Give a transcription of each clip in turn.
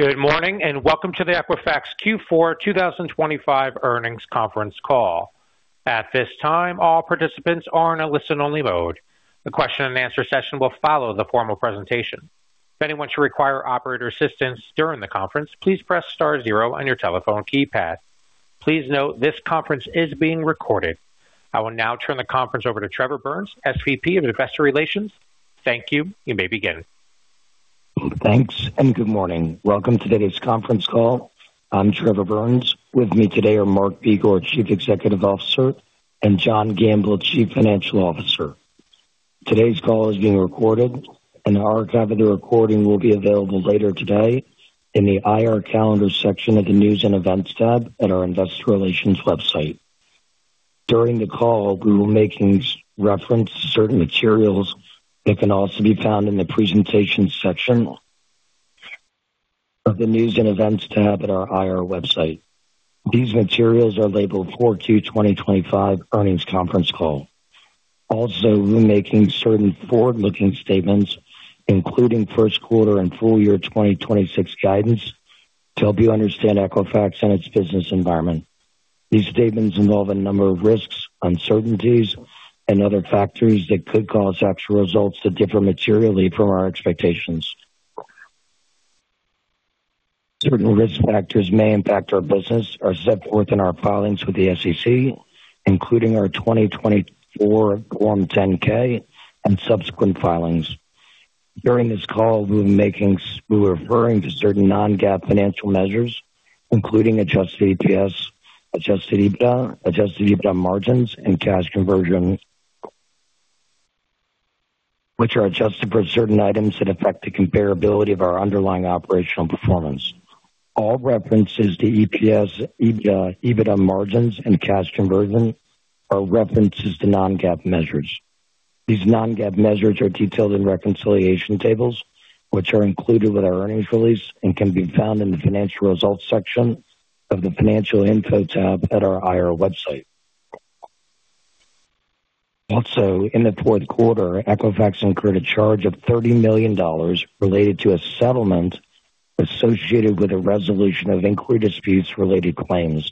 Good morning, and welcome to the Equifax Q4 2025 earnings conference call. At this time, all participants are in a listen-only mode. The question and answer session will follow the formal presentation. If anyone should require operator assistance during the conference, please press star zero on your telephone keypad. Please note, this conference is being recorded. I will now turn the conference over to Trevor Burns, SVP of Investor Relations. Thank you. You may begin. Thanks, and good morning. Welcome to today's conference call. I'm Trevor Burns. With me today are Mark Begor, Chief Executive Officer, and John Gamble, Chief Financial Officer. Today's call is being recorded, and an archive of the recording will be available later today in the IR Calendar section of the News and Events tab on our Investor Relations website. During the call, we will be making reference to certain materials that can also be found in the Presentation section of the News and Events tab at our IR website. These materials are labeled Q4 2025 Earnings Conference Call. Also, we're making certain forward-looking statements, including first quarter and full year 2026 guidance, to help you understand Equifax and its business environment. These statements involve a number of risks, uncertainties, and other factors that could cause actual results to differ materially from our expectations. Certain risk factors may impact our business, are set forth in our filings with the SEC, including our 2024 Form 10-K and subsequent filings. During this call, we're referring to certain non-GAAP financial measures, including adjusted EPS, adjusted EBITDA, adjusted EBITDA margins, and cash conversion, which are adjusted for certain items that affect the comparability of our underlying operational performance. All references to EPS, EBITDA, EBITDA margins, and cash conversion are references to non-GAAP measures. These non-GAAP measures are detailed in reconciliation tables, which are included with our earnings release and can be found in the Financial Results section of the Financial Info tab at our IR website. Also, in the fourth quarter, Equifax incurred a charge of $30 million related to a settlement associated with a resolution of inquiry disputes related claims.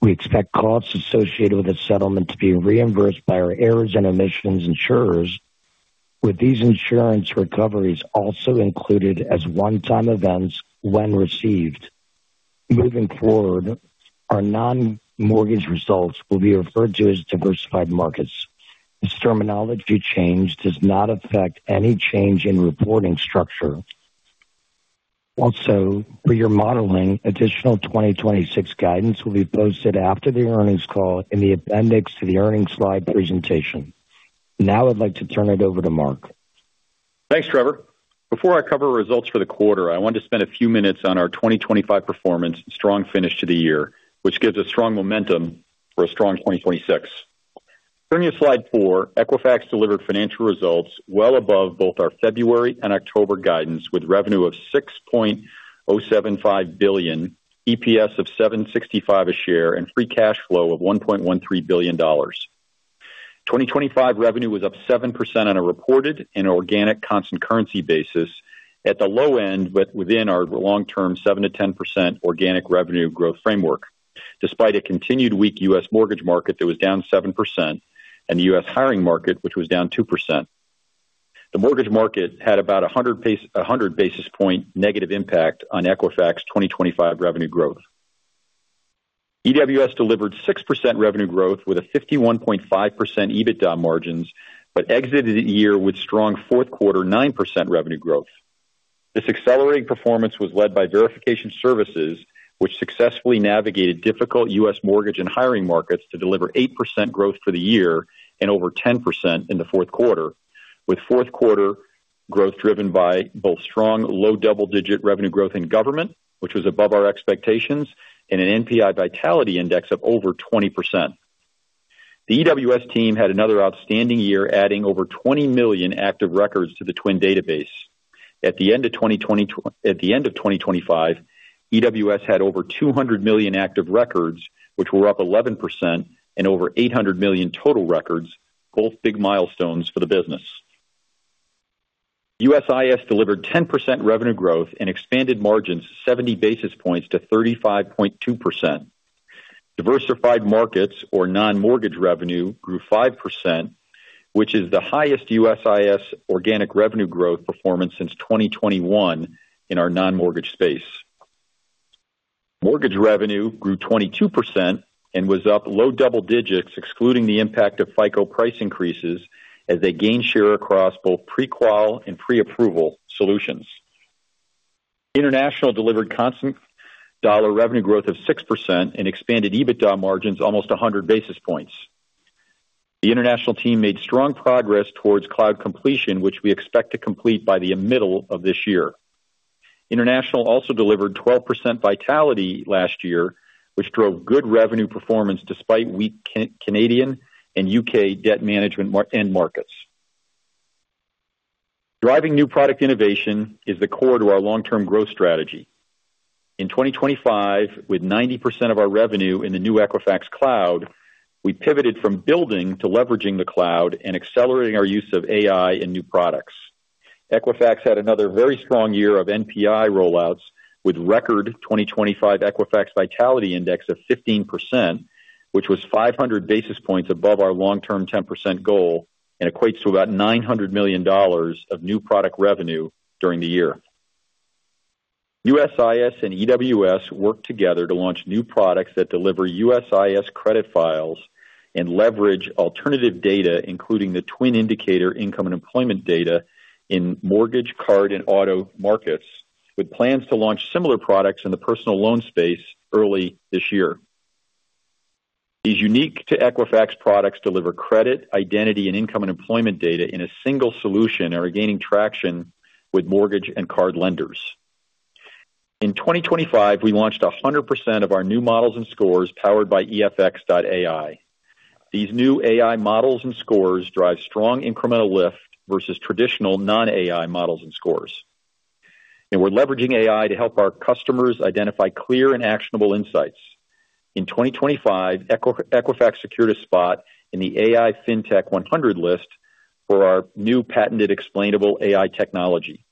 We expect costs associated with the settlement to be reimbursed by our errors and omissions insurers, with these insurance recoveries also included as one-time events when received. Moving forward, our non-mortgage results will be referred to as diversified markets. This terminology change does not affect any change in reporting structure. Also, for your modeling, additional 2026 guidance will be posted after the earnings call in the appendix to the earnings slide presentation. Now I'd like to turn it over to Mark. Thanks, Trevor. Before I cover results for the quarter, I want to spend a few minutes on our 2025 performance, strong finish to the year, which gives us strong momentum for a strong 2026. Turning to slide four, Equifax delivered financial results well above both our February and October guidance, with revenue of $6.075 billion, EPS of $7.65 a share, and free cash flow of $1.13 billion. 2025 revenue was up 7% on a reported and organic constant currency basis at the low end, but within our long-term 7%-10% organic revenue growth framework. Despite a continued weak US mortgage market that was down 7% and the US hiring market, which was down 2%, the mortgage market had about a 100 basis point negative impact on Equifax 2025 revenue growth. EWS delivered 6% revenue growth with a 51.5% EBITDA margins, but exited the year with strong fourth quarter 9% revenue growth. This accelerating performance was led by verification services, which successfully navigated difficult US mortgage and hiring markets to deliver 8% growth for the year and over 10% in the fourth quarter, with fourth quarter growth driven by both strong low double-digit revenue growth in government, which was above our expectations, and an NPI Vitality Index of over 20%. The EWS team had another outstanding year, adding over 20 million active records to the TWN database. At the end of 2025, EWS had over 200 million active records, which were up 11% and over 800 million total records, both big milestones for the business. USIS delivered 10% revenue growth and expanded margins 70 basis points to 35.2%. Diversified markets or non-mortgage revenue grew 5%, which is the highest USIS organic revenue growth performance since 2021 in our non-mortgage space. Mortgage revenue grew 22% and was up low double digits, excluding the impact of FICO price increases as they gained share across both pre-qual and pre-approval solutions. International delivered constant dollar revenue growth of 6% and expanded EBITDA margins almost 100 basis points. The international team made strong progress towards cloud completion, which we expect to complete by the middle of this year. International also delivered 12% vitality last year, which drove good revenue performance despite weak Canadian and UK debt management markets. Driving new product innovation is the core to our long-term growth strategy. In 2025, with 90% of our revenue in the new Equifax Cloud, we pivoted from building to leveraging the cloud and accelerating our use of AI in new products. Equifax had another very strong year of NPI rollouts, with record 2025 Equifax Vitality Index of 15%, which was 500 basis points above our long-term 10% goal and equates to about $900 million of new product revenue during the year. USIS and EWS worked together to launch new products that deliver USIS credit files and leverage alternative data, including the TWN Indicator income and employment data in mortgage, card, and auto markets, with plans to launch similar products in the personal loan space early this year. These unique to Equifax products deliver credit, identity, and income and employment data in a single solution and are gaining traction with mortgage and card lenders. In 2025, we launched 100% of our new models and scores powered by EFX.AI. These new AI models and scores drive strong incremental lift versus traditional non-AI models and scores. And we're leveraging AI to help our customers identify clear and actionable insights. In 2025, Equifax secured a spot in the AI Fintech 100 list for our new patented explainable AI technology.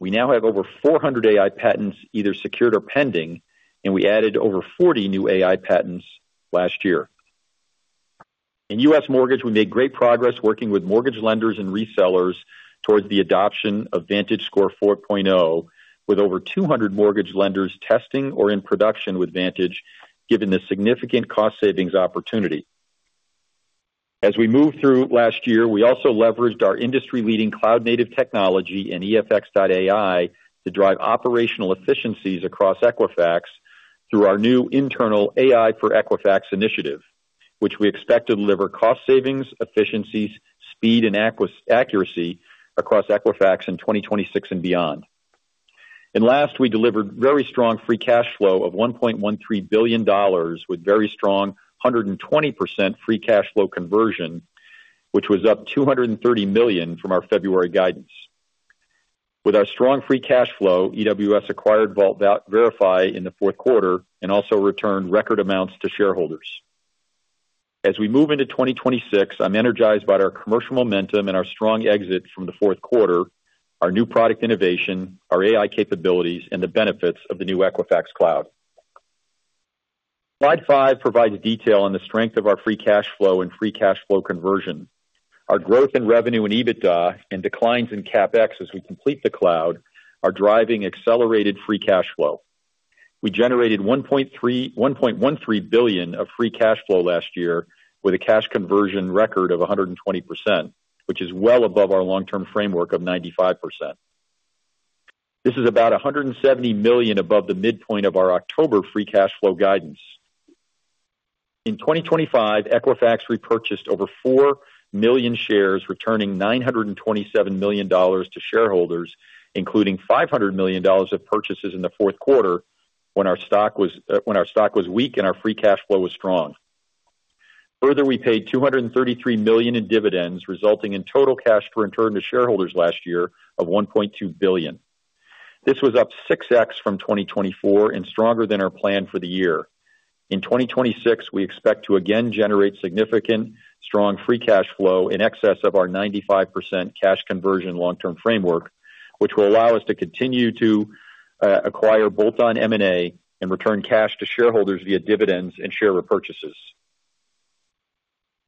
We now have over 400 AI patents either secured or pending, and we added over 40 new AI patents last year. In U.S. mortgage, we made great progress working with mortgage lenders and resellers towards the adoption of VantageScore 4.0, with over 200 mortgage lenders testing or in production with Vantage, given the significant cost savings opportunity. As we moved through last year, we also leveraged our industry-leading cloud-native technology and EFX.AI to drive operational efficiencies across Equifax through our new internal AI for Equifax initiative, which we expect to deliver cost savings, efficiencies, speed, and accuracy across Equifax in 2026 and beyond. Last, we delivered very strong free cash flow of $1.13 billion, with very strong 120% free cash flow conversion, which was up $230 million from our February guidance. With our strong free cash flow, EWS acquired Vault Verify in the fourth quarter and also returned record amounts to shareholders. As we move into 2026, I'm energized by our commercial momentum and our strong exit from the fourth quarter, our new product innovation, our AI capabilities, and the benefits of the new Equifax Cloud. Slide five provides detail on the strength of our free cash flow and free cash flow conversion. Our growth in revenue and EBITDA and declines in CapEx as we complete the cloud are driving accelerated free cash flow. We generated $1.13 billion of free cash flow last year, with a cash conversion record of 120%, which is well above our long-term framework of 95%. This is about $170 million above the midpoint of our October free cash flow guidance. In 2025, Equifax repurchased over 4 million shares, returning $927 million to shareholders, including $500 million of purchases in the fourth quarter, when our stock was, when our stock was weak and our free cash flow was strong. Further, we paid $233 million in dividends, resulting in total cash return to shareholders last year of $1.2 billion. This was up 6x from 2024 and stronger than our plan for the year. In 2026, we expect to again generate significant strong free cash flow in excess of our 95% cash conversion long-term framework, which will allow us to continue to acquire bolt-on M&A and return cash to shareholders via dividends and share repurchases.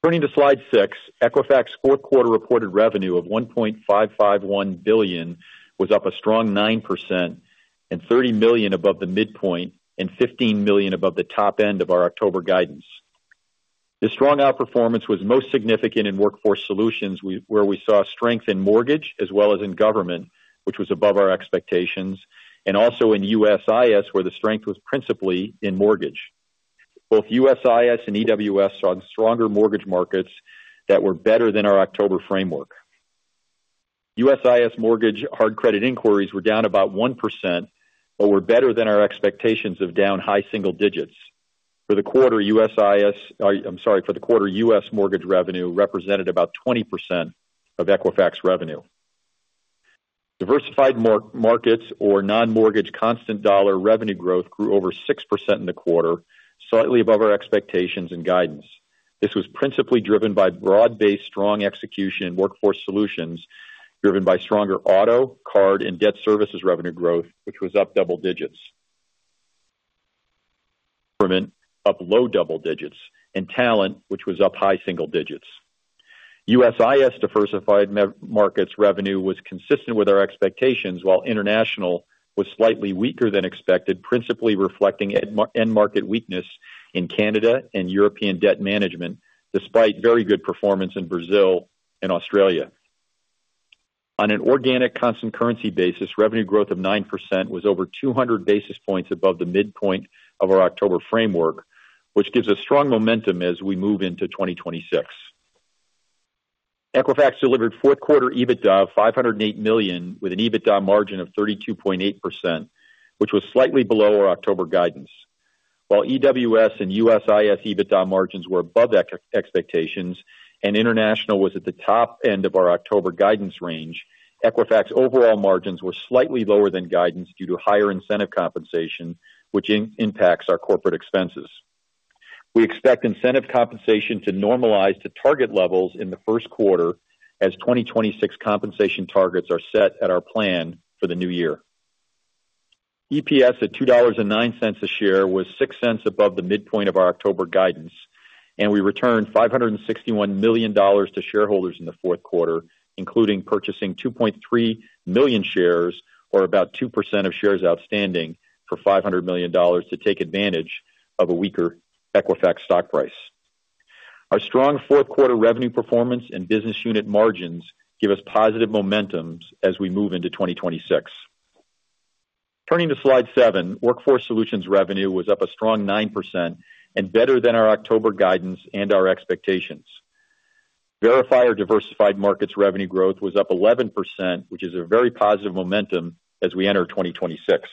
Turning to Slide 6, Equifax's fourth quarter reported revenue of $1.551 billion was up a strong 9% and $30 million above the midpoint, and $15 million above the top end of our October guidance. This strong outperformance was most significant in workforce solutions, where we saw strength in mortgage as well as in government, which was above our expectations, and also in USIS, where the strength was principally in mortgage. Both USIS and EWS saw stronger mortgage markets that were better than our October framework. USIS mortgage hard credit inquiries were down about 1%, but were better than our expectations of down high single digits. For the quarter, USIS—I'm sorry, for the quarter, US mortgage revenue represented about 20% of Equifax revenue. Diversified markets or non-mortgage constant dollar revenue growth grew over 6% in the quarter, slightly above our expectations and guidance. This was principally driven by broad-based, strong execution in workforce solutions, driven by stronger auto, card, and debt services revenue growth, which was up double digits. Up low double digits, and talent, which was up high single digits. USIS diversified markets revenue was consistent with our expectations, while international was slightly weaker than expected, principally reflecting end market weakness in Canada and European debt management, despite very good performance in Brazil and Australia. On an organic constant currency basis, revenue growth of 9% was over 200 basis points above the midpoint of our October framework, which gives us strong momentum as we move into 2026. Equifax delivered fourth quarter EBITDA of $508 million, with an EBITDA margin of 32.8%, which was slightly below our October guidance. While EWS and USIS EBITDA margins were above expectations, and international was at the top end of our October guidance range, Equifax overall margins were slightly lower than guidance due to higher incentive compensation, which impacts our corporate expenses. We expect incentive compensation to normalize to target levels in the first quarter, as 2026 compensation targets are set at our plan for the new year. EPS at $2.09 a share was six cents above the midpoint of our October guidance, and we returned $561 million to shareholders in the fourth quarter, including purchasing 2.3 million shares, or about 2% of shares outstanding, for $500 million to take advantage of a weaker Equifax stock price. Our strong fourth quarter revenue performance and business unit margins give us positive momentum as we move into 2026. Turning to slide seven. Workforce Solutions revenue was up a strong 9% and better than our October guidance and our expectations. Verifier diversified markets revenue growth was up 11%, which is a very positive momentum as we enter 2026.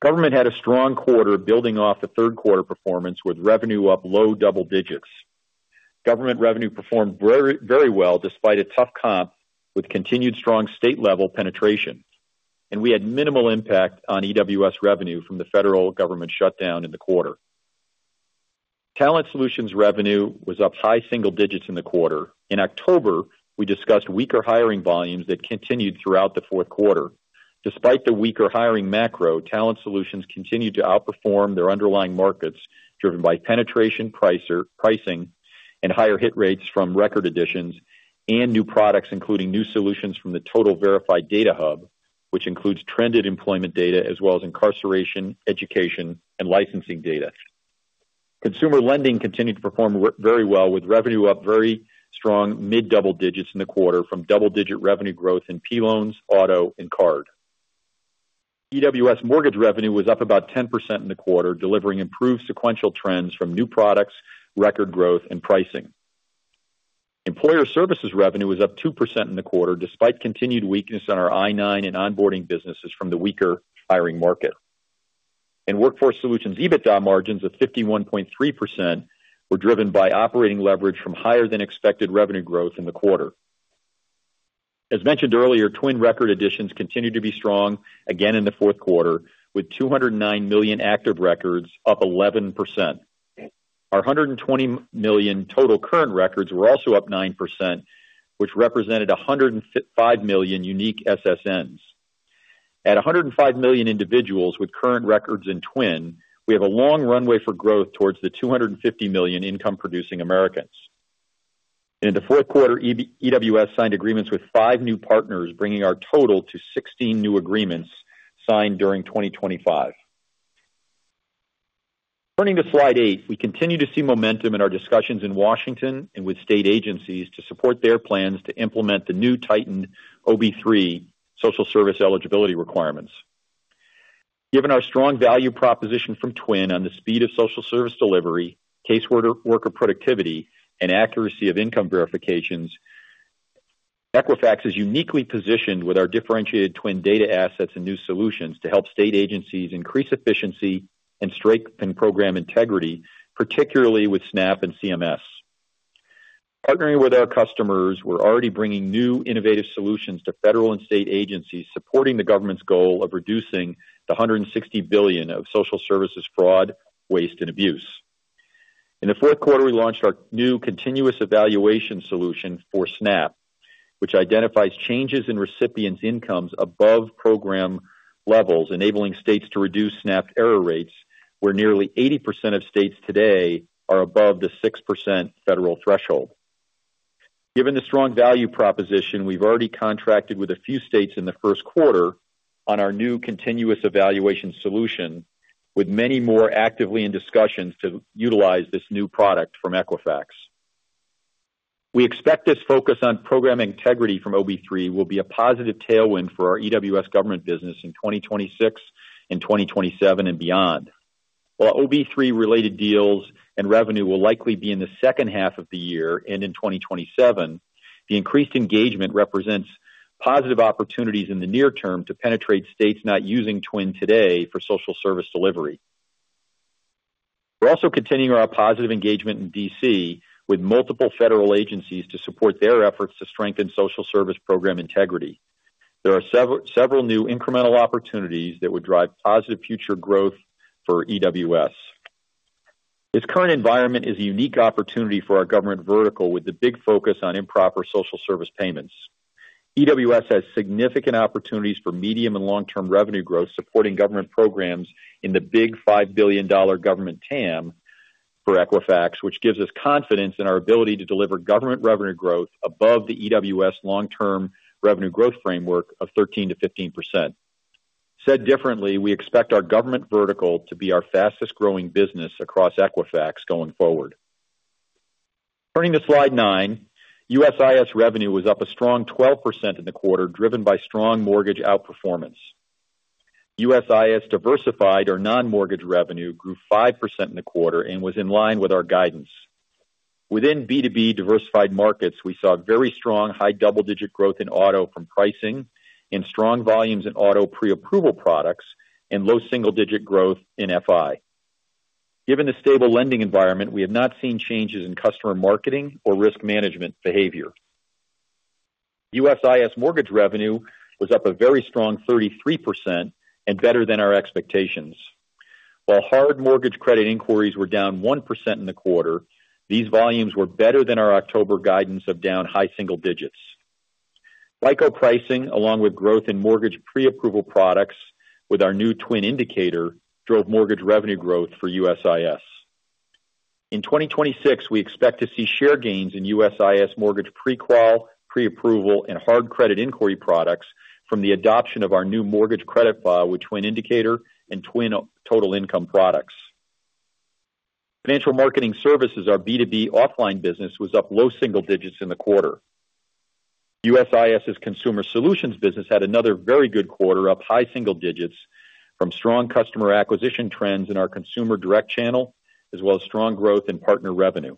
Government had a strong quarter, building off the third quarter performance, with revenue up low double digits. Government revenue performed very, very well despite a tough comp, with continued strong state-level penetration, and we had minimal impact on EWS revenue from the federal government shutdown in the quarter. Talent Solutions revenue was up high single digits in the quarter. In October, we discussed weaker hiring volumes that continued throughout the fourth quarter. Despite the weaker hiring macro, Talent Solutions continued to outperform their underlying markets, driven by penetration, pricing, and higher hit rates from record additions and new products, including new solutions from the Total Verified Data Hub, which includes trended employment data as well as incarceration, education, and licensing data. Consumer lending continued to perform very well, with revenue up very strong mid-double digits in the quarter from double-digit revenue growth in P-Loans, auto, and card. EWS mortgage revenue was up about 10% in the quarter, delivering improved sequential trends from new products, record growth and pricing. Employer services revenue was up 2% in the quarter, despite continued weakness on our I-9 and onboarding businesses from the weaker hiring market. In Workforce Solutions, EBITDA margins of 51.3% were driven by operating leverage from higher than expected revenue growth in the quarter. As mentioned earlier, Twin record additions continued to be strong again in the fourth quarter, with 209 million active records, up 11%. Our 120 million total current records were also up 9%, which represented 105 million unique SSNs. At 105 million individuals with current records in Twin, we have a long runway for growth towards the 250 million income producing Americans. In the fourth quarter, EWS signed agreements with five new partners, bringing our total to 16 new agreements signed during 2025. Turning to slide eight. We continue to see momentum in our discussions in Washington and with state agencies to support their plans to implement the new tightened OMB social service eligibility requirements. Given our strong value proposition from TWN on the speed of social service delivery, case worker productivity, and accuracy of income verifications, Equifax is uniquely positioned with our differentiated TWN data assets and new solutions to help state agencies increase efficiency and strengthen program integrity, particularly with SNAP and CMS. Partnering with our customers, we're already bringing new innovative solutions to federal and state agencies, supporting the government's goal of reducing the $160 billion of social services fraud, waste, and abuse. In the fourth quarter, we launched our new continuous evaluation solution for SNAP, which identifies changes in recipients' incomes above program levels, enabling states to reduce SNAP error rates, where nearly 80% of states today are above the 6% federal threshold. Given the strong value proposition, we've already contracted with a few states in the first quarter on our new continuous evaluation solution, with many more actively in discussions to utilize this new product from Equifax. We expect this focus on program integrity from OB3 will be a positive tailwind for our EWS government business in 2026 and 2027 and beyond. While OB3-related deals and revenue will likely be in the second half of the year and in 2027, the increased engagement represents positive opportunities in the near term to penetrate states not using Twin today for social service delivery. We're also continuing our positive engagement in DC with multiple federal agencies to support their efforts to strengthen social service program integrity. There are several new incremental opportunities that would drive positive future growth for EWS. This current environment is a unique opportunity for our government vertical, with the big focus on improper social service payments. EWS has significant opportunities for medium and long-term revenue growth, supporting government programs in the big $5 billion government TAM for Equifax, which gives us confidence in our ability to deliver government revenue growth above the EWS long-term revenue growth framework of 13%-15%. Said differently, we expect our government vertical to be our fastest growing business across Equifax going forward. Turning to slide nine. USIS revenue was up a strong 12% in the quarter, driven by strong mortgage outperformance. USIS diversified, or non-mortgage revenue, grew 5% in the quarter and was in line with our guidance. Within B2B diversified markets, we saw very strong high double-digit growth in auto from pricing and strong volumes in auto pre-approval products, and low single-digit growth in FI. Given the stable lending environment, we have not seen changes in customer marketing or risk management behavior. USIS mortgage revenue was up a very strong 33% and better than our expectations. While hard mortgage credit inquiries were down 1% in the quarter, these volumes were better than our October guidance of down high single digits. FICO pricing, along with growth in mortgage pre-approval products with our new TWN Indicator, drove mortgage revenue growth for USIS. In 2026, we expect to see share gains in USIS mortgage pre-qual, pre-approval and hard credit inquiry products from the adoption of our new mortgage credit file with twin indicator and twin total income products. Financial marketing services, our B2B offline business, was up low single digits in the quarter. USIS's consumer solutions business had another very good quarter, up high single digits from strong customer acquisition trends in our consumer direct channel, as well as strong growth in partner revenue.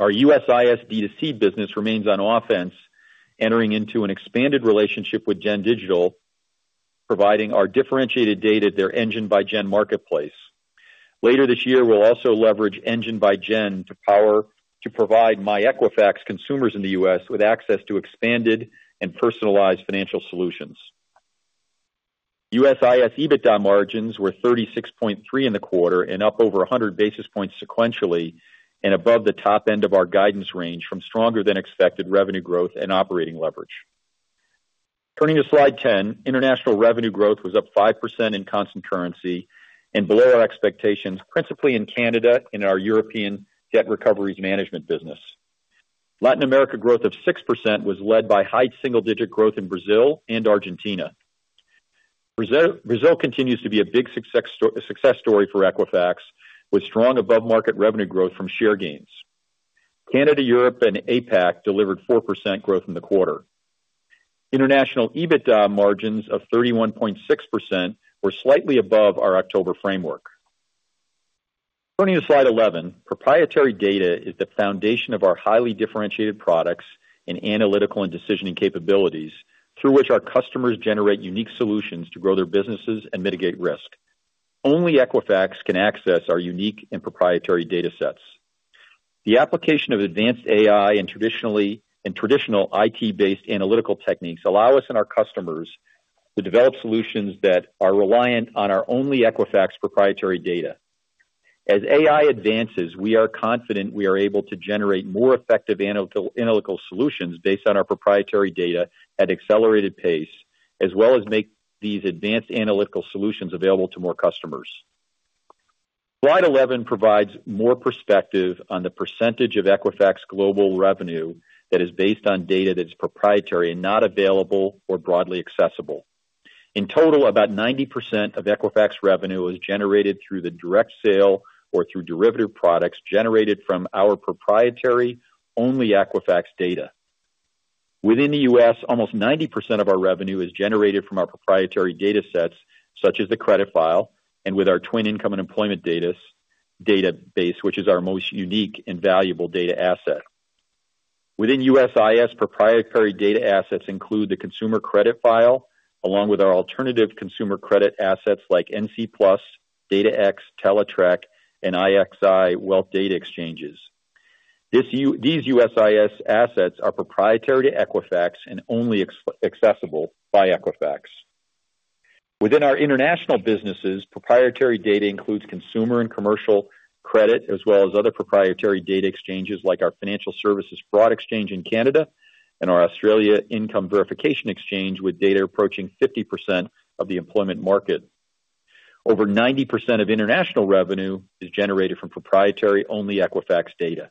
Our USIS B2C business remains on offense, entering into an expanded relationship with Gen Digital, providing our differentiated data, their Engine by Gen marketplace. Later this year, we'll also leverage Engine by Gen to provide myEquifax consumers in the US with access to expanded and personalized financial solutions. USIS EBITDA margins were 36.3 in the quarter and up over 100 basis points sequentially, and above the top end of our guidance range from stronger than expected revenue growth and operating leverage. Turning to slide 10. International revenue growth was up 5% in constant currency and below our expectations, principally in Canada and our European debt recoveries management business. Latin America growth of 6% was led by high single-digit growth in Brazil and Argentina. Brazil continues to be a big success story for Equifax, with strong above-market revenue growth from share gains. Canada, Europe and APAC delivered 4% growth in the quarter. International EBITDA margins of 31.6% were slightly above our October framework. Turning to slide 11. Proprietary data is the foundation of our highly differentiated products and analytical and decisioning capabilities, through which our customers generate unique solutions to grow their businesses and mitigate risk. Only Equifax can access our unique and proprietary datasets. The application of advanced AI and traditional IT-based analytical techniques allow us and our customers to develop solutions that are reliant on our only Equifax proprietary data. As AI advances, we are confident we are able to generate more effective analytical solutions based on our proprietary data at accelerated pace, as well as make these advanced analytical solutions available to more customers. Slide 11 provides more perspective on the percentage of Equifax global revenue that is based on data that is proprietary and not available or broadly accessible. In total, about 90% of Equifax revenue is generated through the direct sale or through derivative products generated from our proprietary only Equifax data. Within the US, almost 90% of our revenue is generated from our proprietary datasets, such as the credit file and with our twin income and employment database, which is our most unique and valuable data asset. Within USIS, proprietary data assets include the consumer credit file, along with our alternative consumer credit assets like NC + or NCTUE, DataX, Teletrack, and IXI Wealth Data Exchanges. These USIS assets are proprietary to Equifax and only accessible by Equifax. Within our international businesses, proprietary data includes consumer and commercial credit, as well as other proprietary data exchanges, like our financial services broad exchange in Canada and our Australia Income Verification Exchange, with data approaching 50% of the employment market. Over 90% of international revenue is generated from proprietary only Equifax data.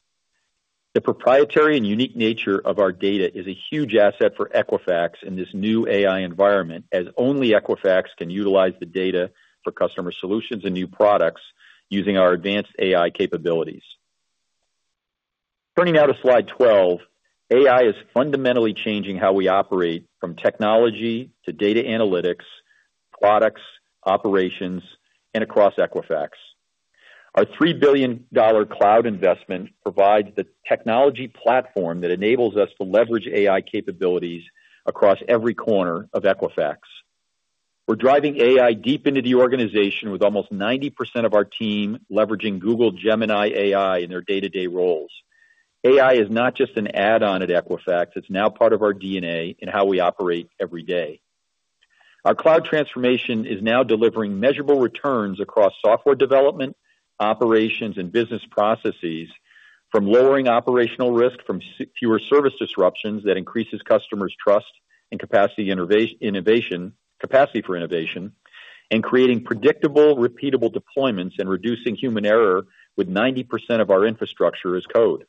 The proprietary and unique nature of our data is a huge asset for Equifax in this new AI environment, as only Equifax can utilize the data for customer solutions and new products using our advanced AI capabilities. Turning now to slide 12. AI is fundamentally changing how we operate, from technology to data analytics, products, operations, and across Equifax. Our $3 billion cloud investment provides the technology platform that enables us to leverage AI capabilities across every corner of Equifax. We're driving AI deep into the organization, with almost 90% of our team leveraging Google Gemini AI in their day-to-day roles. AI is not just an add-on at Equifax, it's now part of our D&A and how we operate every day. Our cloud transformation is now delivering measurable returns across software development, operations, and business processes, from lowering operational risk from fewer service disruptions that increases customers' trust and capacity innovation, capacity for innovation, and creating predictable, repeatable deployments and reducing human error with 90% of our infrastructure as code.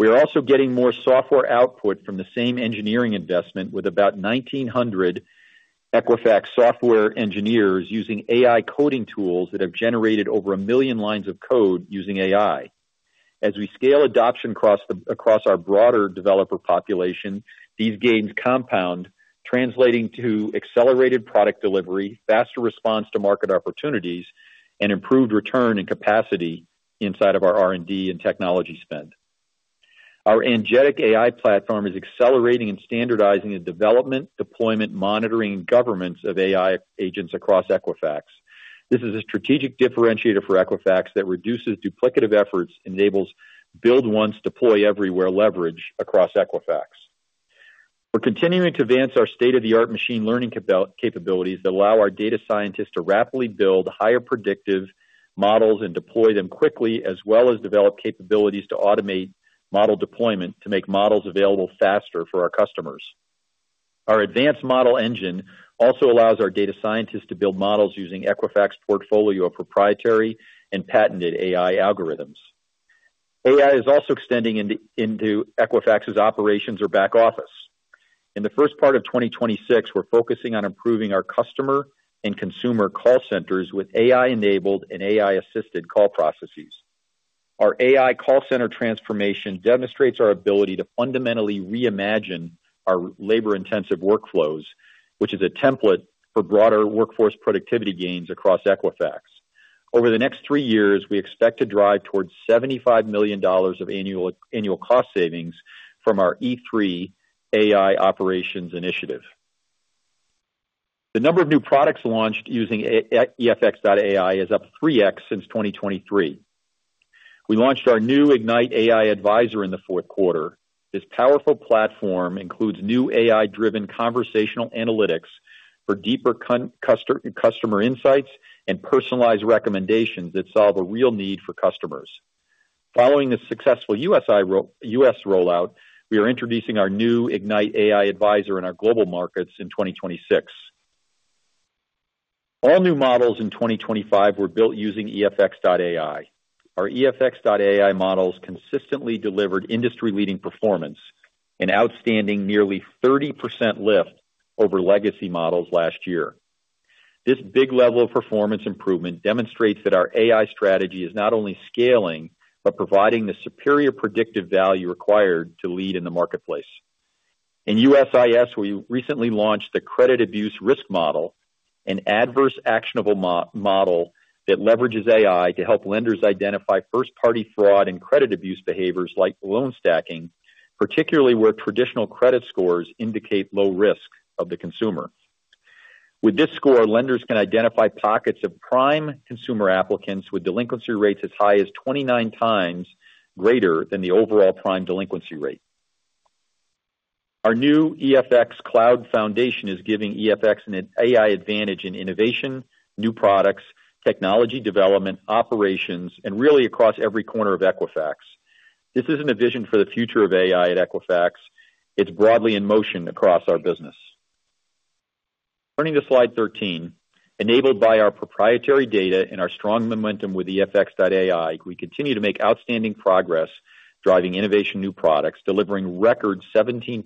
We are also getting more software output from the same engineering investment, with about 1,900 Equifax software engineers using AI coding tools that have generated over one million lines of code using AI. As we scale adoption across our broader developer population, these gains compound... translating to accelerated product delivery, faster response to market opportunities, and improved return and capacity inside of our R&D and technology spend. Our Agentic AI platform is accelerating and standardizing the development, deployment, monitoring, and governance of AI agents across Equifax. This is a strategic differentiator for Equifax that reduces duplicative efforts, enables build once, deploy everywhere leverage across Equifax. We're continuing to advance our state-of-the-art machine learning capabilities that allow our data scientists to rapidly build higher predictive models and deploy them quickly, as well as develop capabilities to automate model deployment to make models available faster for our customers. Our advanced model engine also allows our data scientists to build models using Equifax portfolio of proprietary and patented AI algorithms. AI is also extending into Equifax's operations or back office. In the first part of 2026, we're focusing on improving our customer and consumer call centers with AI-enabled and AI-assisted call processes. Our AI call center transformation demonstrates our ability to fundamentally reimagine our labor-intensive workflows, which is a template for broader workforce productivity gains across Equifax. Over the next three years, we expect to drive towards $75 million of annual cost savings from our EFX.AI operations initiative. The number of new products launched using EFX.AI is up 3x since 2023. We launched our new Ignite AI Advisor in the fourth quarter. This powerful platform includes new AI-driven conversational analytics for deeper customer insights and personalized recommendations that solve a real need for customers. Following a successful US rollout, we are introducing our new Ignite AI Advisor in our global markets in 2026. All new models in 2025 were built using EFX.AI. Our EFX.AI models consistently delivered industry-leading performance, an outstanding nearly 30% lift over legacy models last year. This big level of performance improvement demonstrates that our AI strategy is not only scaling, but providing the superior predictive value required to lead in the marketplace. In USIS, we recently launched the Credit Abuse Risk Model, an adverse actionable model that leverages AI to help lenders identify first-party fraud and credit abuse behaviors like loan stacking, particularly where traditional credit scores indicate low risk of the consumer. With this score, lenders can identify pockets of prime consumer applicants with delinquency rates as high as 29 times greater than the overall prime delinquency rate. Our new EFX Cloud Foundation is giving EFX an AI advantage in innovation, new products, technology development, operations, and really across every corner of Equifax. This isn't a vision for the future of AI at Equifax. It's broadly in motion across our business. Turning to slide 13, enabled by our proprietary data and our strong momentum with EFX.AI, we continue to make outstanding progress driving innovation new products, delivering record 17%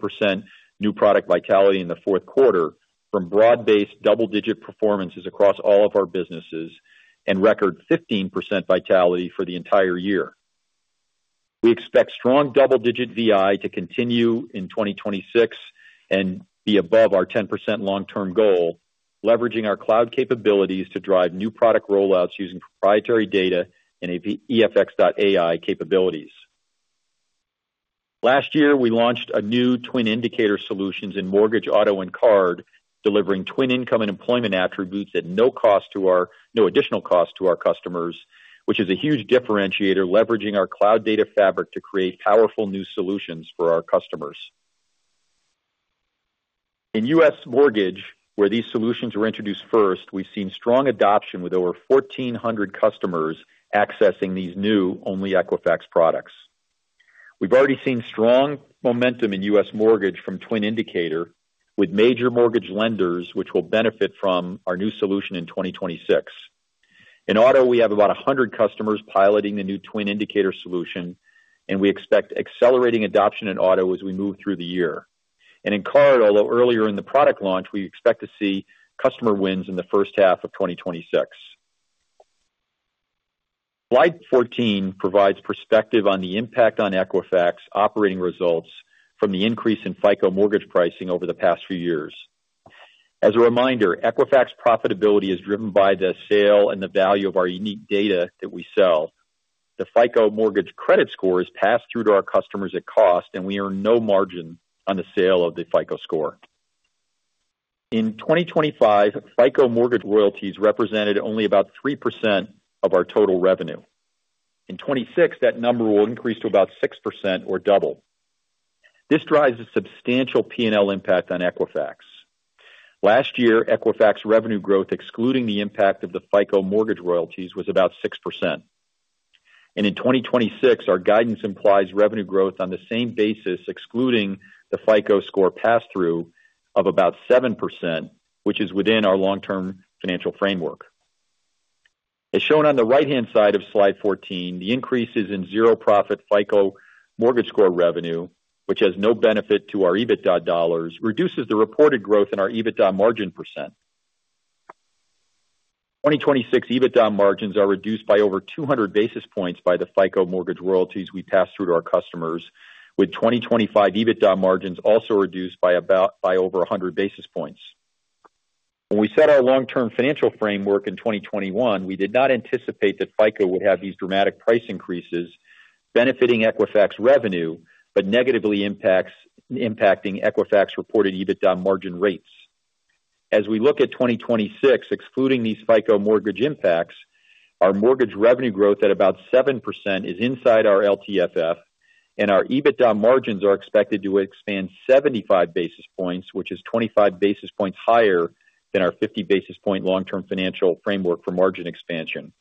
new product vitality in the fourth quarter from broad-based double-digit performances across all of our businesses, and record 15% vitality for the entire year. We expect strong double-digit VI to continue in 2026 and be above our 10% long-term goal, leveraging our cloud capabilities to drive new product rollouts using proprietary data and EFX.AI capabilities. Last year, we launched a new twin indicator solutions in mortgage, auto, and card, delivering twin income and employment attributes at no additional cost to our customers, which is a huge differentiator, leveraging our cloud data fabric to create powerful new solutions for our customers. In U.S. mortgage, where these solutions were introduced first, we've seen strong adoption with over 1,400 customers accessing these new OnlyEquifax products. We've already seen strong momentum in U.S. mortgage from Twin Indicator with major mortgage lenders, which will benefit from our new solution in 2026. In auto, we have about 100 customers piloting the new Twin Indicator solution, and we expect accelerating adoption in auto as we move through the year. And in card, although earlier in the product launch, we expect to see customer wins in the first half of 2026. Slide 14 provides perspective on the impact on Equifax operating results from the increase in FICO mortgage pricing over the past few years. As a reminder, Equifax profitability is driven by the sale and the value of our unique data that we sell. The FICO mortgage credit score is passed through to our customers at cost, and we earn no margin on the sale of the FICO score. In 2025, FICO mortgage royalties represented only about 3% of our total revenue. In 2026, that number will increase to about 6% or double. This drives a substantial P&L impact on Equifax. Last year, Equifax revenue growth, excluding the impact of the FICO mortgage royalties, was about 6%. And in 2026, our guidance implies revenue growth on the same basis, excluding the FICO score pass-through of about 7%, which is within our long-term financial framework. As shown on the right-hand side of slide 14, the increases in zero-profit FICO mortgage score revenue, which has no benefit to our EBITDA dollars, reduces the reported growth in our EBITDA margin %. 2026 EBITDA margins are reduced by over 200 basis points by the FICO mortgage royalties we pass through to our customers, with 2025 EBITDA margins also reduced by over 100 basis points. When we set our long-term financial framework in 2021, we did not anticipate that FICO would have these dramatic price increases benefiting Equifax revenue, but negatively impacting Equifax reported EBITDA margin rates. As we look at 2026, excluding these FICO mortgage impacts, our mortgage revenue growth at about 7% is inside our LTFF, and our EBITDA margins are expected to expand 75 basis points, which is 25 basis points higher than our 50 basis point long-term financial framework for margin expansion.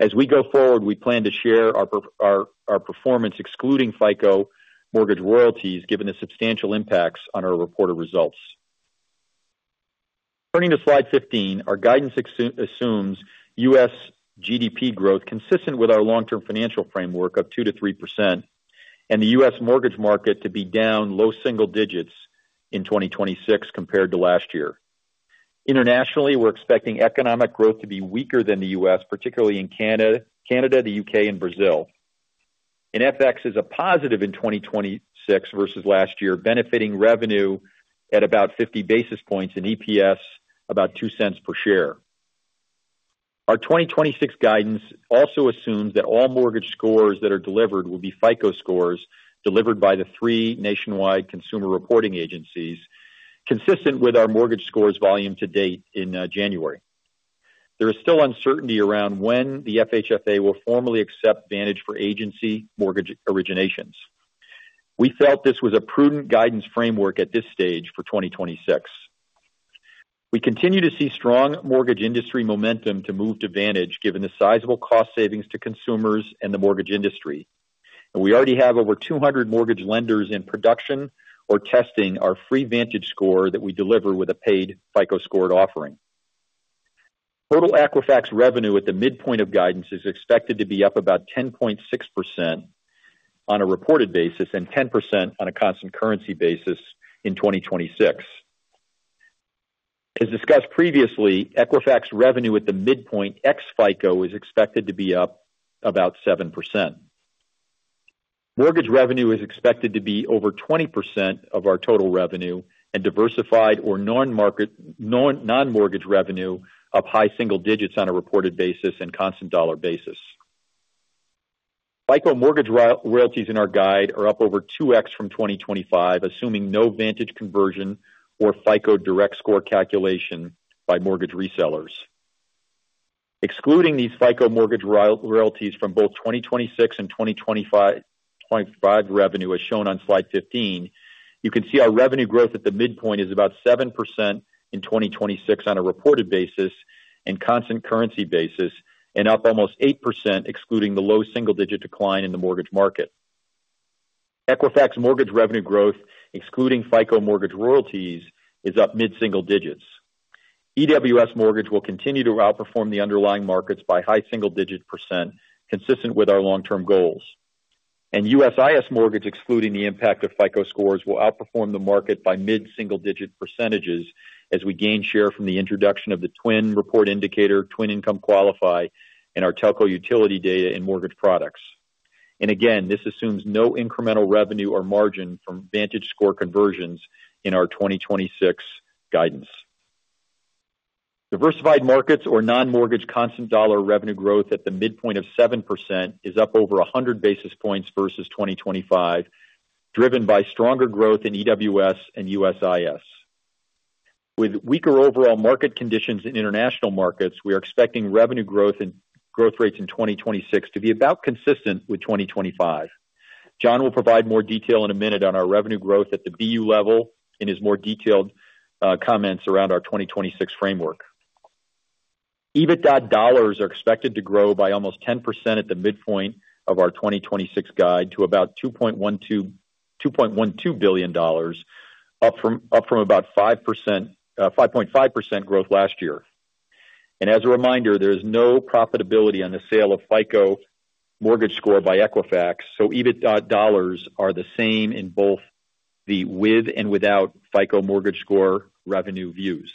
As we go forward, we plan to share our performance, excluding FICO mortgage royalties, given the substantial impacts on our reported results. Turning to slide 15, our guidance assumes U.S. GDP growth consistent with our long-term financial framework of 2%-3%, and the U.S. mortgage market to be down low single digits in 2026 compared to last year. Internationally, we're expecting economic growth to be weaker than the U.S., particularly in Canada, the U.K. and Brazil. And FX is a positive in 2026 versus last year, benefiting revenue at about 50 basis points and EPS about $0.02 per share. Our 2026 guidance also assumes that all mortgage scores that are delivered will be FICO scores delivered by the three nationwide consumer reporting agencies, consistent with our mortgage scores volume to date in January. There is still uncertainty around when the FHFA will formally accept Vantage for agency mortgage originations. We felt this was a prudent guidance framework at this stage for 2026. We continue to see strong mortgage industry momentum to move to Vantage, given the sizable cost savings to consumers and the mortgage industry. And we already have over 200 mortgage lenders in production or testing our free VantageScore that we deliver with a paid FICO-scored offering. Total Equifax revenue at the midpoint of guidance is expected to be up about 10.6% on a reported basis and 10% on a constant currency basis in 2026. As discussed previously, Equifax revenue at the midpoint ex-FICO is expected to be up about 7%. Mortgage revenue is expected to be over 20% of our total revenue, and diversified or non-market, non-mortgage revenue, up high single digits on a reported basis and constant dollar basis. FICO mortgage royalties in our guide are up over 2x from 2025, assuming no Vantage conversion or FICO direct score calculation by mortgage resellers. Excluding these FICO mortgage royalties from both 2026 and 2025, 2025 revenue, as shown on slide 15, you can see our revenue growth at the midpoint is about 7% in 2026 on a reported basis and constant currency basis, and up almost 8%, excluding the low single-digit decline in the mortgage market. Equifax mortgage revenue growth, excluding FICO mortgage royalties, is up mid-single digits. EWS mortgage will continue to outperform the underlying markets by high single-digit %, consistent with our long-term goals. USIS mortgage, excluding the impact of FICO scores, will outperform the market by mid-single-digit percentages as we gain share from the introduction of the Twin Indicator, TWN Income Qualify, and our telco utility data and mortgage products. And again, this assumes no incremental revenue or margin from VantageScore conversions in our 2026 guidance. Diversified markets or non-mortgage constant dollar revenue growth at the midpoint of 7% is up over 100 basis points versus 2025, driven by stronger growth in EWS and USIS. With weaker overall market conditions in international markets, we are expecting revenue growth and growth rates in 2026 to be about consistent with 2025. John will provide more detail in a minute on our revenue growth at the BU level in his more detailed comments around our 2026 framework. EBITDA dollars are expected to grow by almost 10% at the midpoint of our 2026 guide to about $2.12 billion, $2.12 billion, up from, up from about 5%, 5.5% growth last year. And as a reminder, there is no profitability on the sale of FICO mortgage score by Equifax, so EBITDA dollars are the same in both the with and without FICO mortgage score revenue views.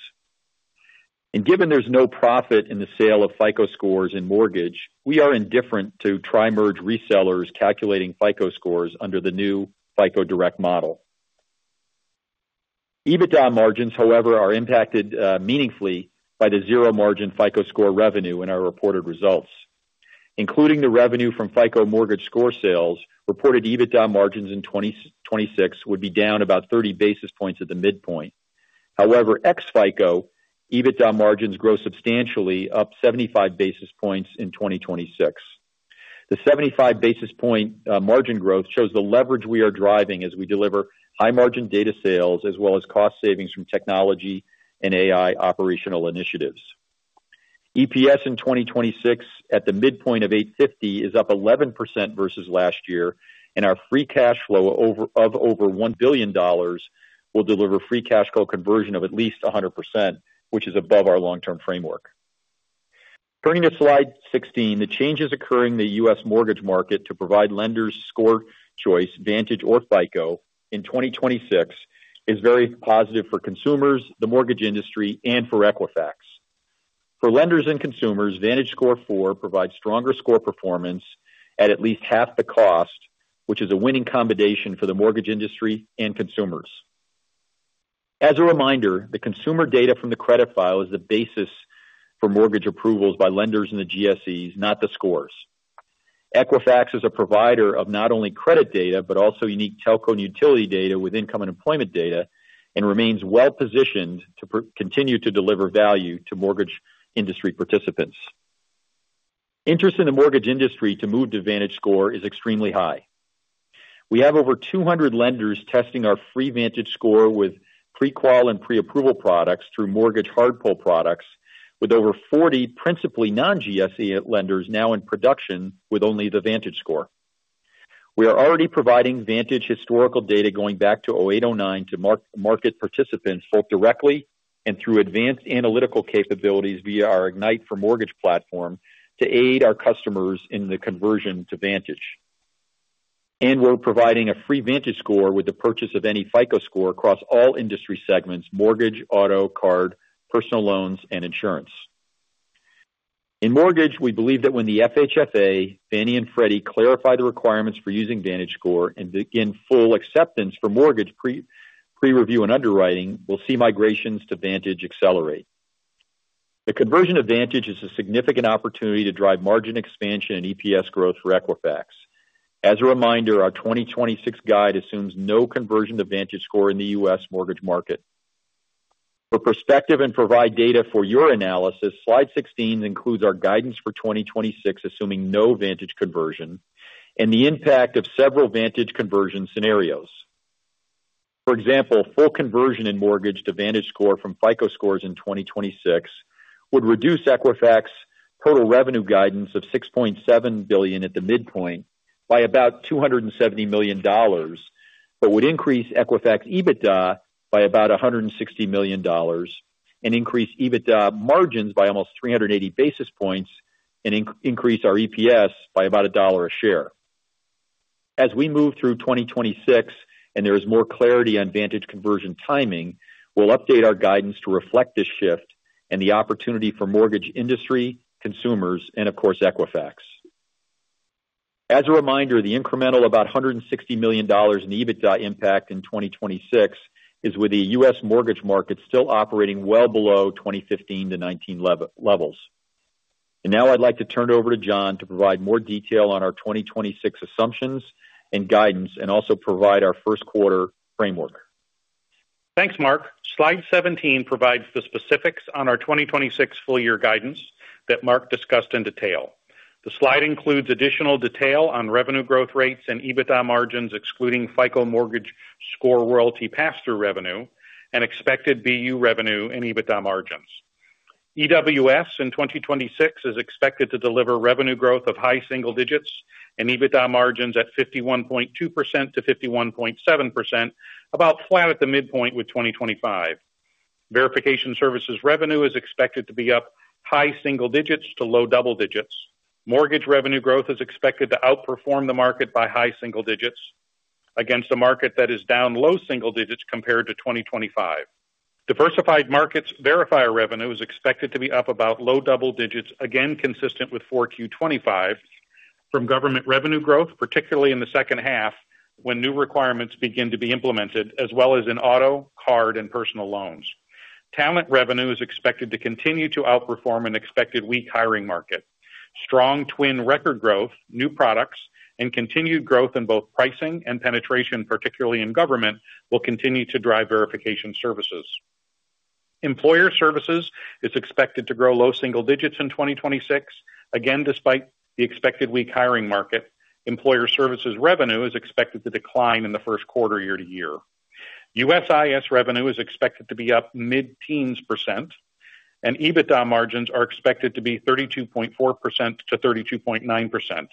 And given there's no profit in the sale of FICO scores in mortgage, we are indifferent to tri-merge resellers calculating FICO scores under the new FICO direct model. EBITDA margins, however, are impacted meaningfully by the zero margin FICO score revenue in our reported results. Including the revenue from FICO mortgage score sales, reported EBITDA margins in 2026 would be down about 30 basis points at the midpoint. However, ex-FICO, EBITDA margins grow substantially, up 75 basis points in 2026. The 75 basis point margin growth shows the leverage we are driving as we deliver high margin data sales as well as cost savings from technology and AI operational initiatives. EPS in 2026 at the midpoint of $8.50 is up 11% versus last year, and our free cash flow of over $1 billion will deliver free cash flow conversion of at least 100%, which is above our long-term framework.... Turning to slide 16, the changes occurring in the U.S. mortgage market to provide lenders score choice, Vantage or FICO, in 2026, is very positive for consumers, the mortgage industry, and for Equifax. For lenders and consumers, VantageScore four provides stronger score performance at least half the cost, which is a winning combination for the mortgage industry and consumers. As a reminder, the consumer data from the credit file is the basis for mortgage approvals by lenders and the GSEs, not the scores. Equifax is a provider of not only credit data, but also unique telco and utility data with income and employment data, and remains well-positioned to continue to deliver value to mortgage industry participants. Interest in the mortgage industry to move to VantageScore is extremely high. We have over 200 lenders testing our free VantageScore with pre-qual and pre-approval products through mortgage hard pull products, with over 40 principally non-GSE lenders now in production with only the VantageScore. We are already providing Vantage historical data going back to 2008, 2009 to market participants, both directly and through advanced analytical capabilities via our Ignite for Mortgage platform, to aid our customers in the conversion to Vantage. And we're providing a free Vantage Score with the purchase of any FICO score across all industry segments, mortgage, auto, card, personal loans, and insurance. In mortgage, we believe that when the FHFA, Fannie and Freddie, clarify the requirements for using Vantage Score and begin full acceptance for mortgage pre-review and underwriting, we'll see migrations to Vantage accelerate. The conversion of Vantage is a significant opportunity to drive margin expansion and EPS growth for Equifax. As a reminder, our 2026 guide assumes no conversion to Vantage Score in the U.S. mortgage market. For perspective and provide data for your analysis, slide 16 includes our guidance for 2026, assuming no Vantage conversion, and the impact of several Vantage conversion scenarios. For example, full conversion in mortgage to VantageScore from FICO scores in 2026 would reduce Equifax total revenue guidance of $6.7 billion at the midpoint by about $270 million, but would increase Equifax EBITDA by about $160 million and increase EBITDA margins by almost 380 basis points and increase our EPS by about $1 a share. As we move through 2026 and there is more clarity on Vantage conversion timing, we'll update our guidance to reflect this shift and the opportunity for mortgage industry, consumers, and of course, Equifax. As a reminder, the incremental about $160 million in EBITDA impact in 2026 is with the U.S. mortgage market still operating well below 2015-2019 levels. And now I'd like to turn it over to John to provide more detail on our 2026 assumptions and guidance, and also provide our first quarter framework. Thanks, Mark. Slide 17 provides the specifics on our 2026 full year guidance that Mark discussed in detail. The slide includes additional detail on revenue growth rates and EBITDA margins, excluding FICO mortgage score royalty pass-through revenue and expected BU revenue and EBITDA margins. EWS in 2026 is expected to deliver revenue growth of high single digits and EBITDA margins at 51.2%-51.7%, about flat at the midpoint with 2025. Verification services revenue is expected to be up high single digits to low double digits. Mortgage revenue growth is expected to outperform the market by high single digits against a market that is down low single digits compared to 2025. Diversified markets verifier revenue is expected to be up about low double digits, again, consistent with Q4 2025, from government revenue growth, particularly in the second half, when new requirements begin to be implemented, as well as in auto, card, and personal loans. Talent revenue is expected to continue to outperform an expected weak hiring market. Strong Twin record growth, new products, and continued growth in both pricing and penetration, particularly in government, will continue to drive verification services. Employer services is expected to grow low single digits in 2026. Again, despite the expected weak hiring market, employer services revenue is expected to decline in the first quarter year-over-year. USIS revenue is expected to be up mid-teens%, and EBITDA margins are expected to be 32.4%-32.9%.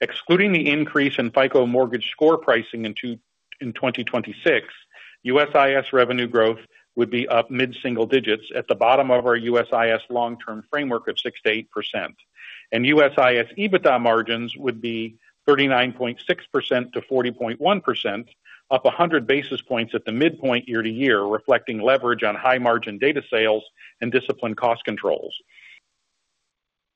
Excluding the increase in FICO mortgage score pricing in 2026, USIS revenue growth would be up mid-single digits at the bottom of our USIS long-term framework of 6%-8%. USIS EBITDA margins would be 39.6%-40.1%, up 100 basis points at the midpoint year-over-year, reflecting leverage on high-margin data sales and disciplined cost controls.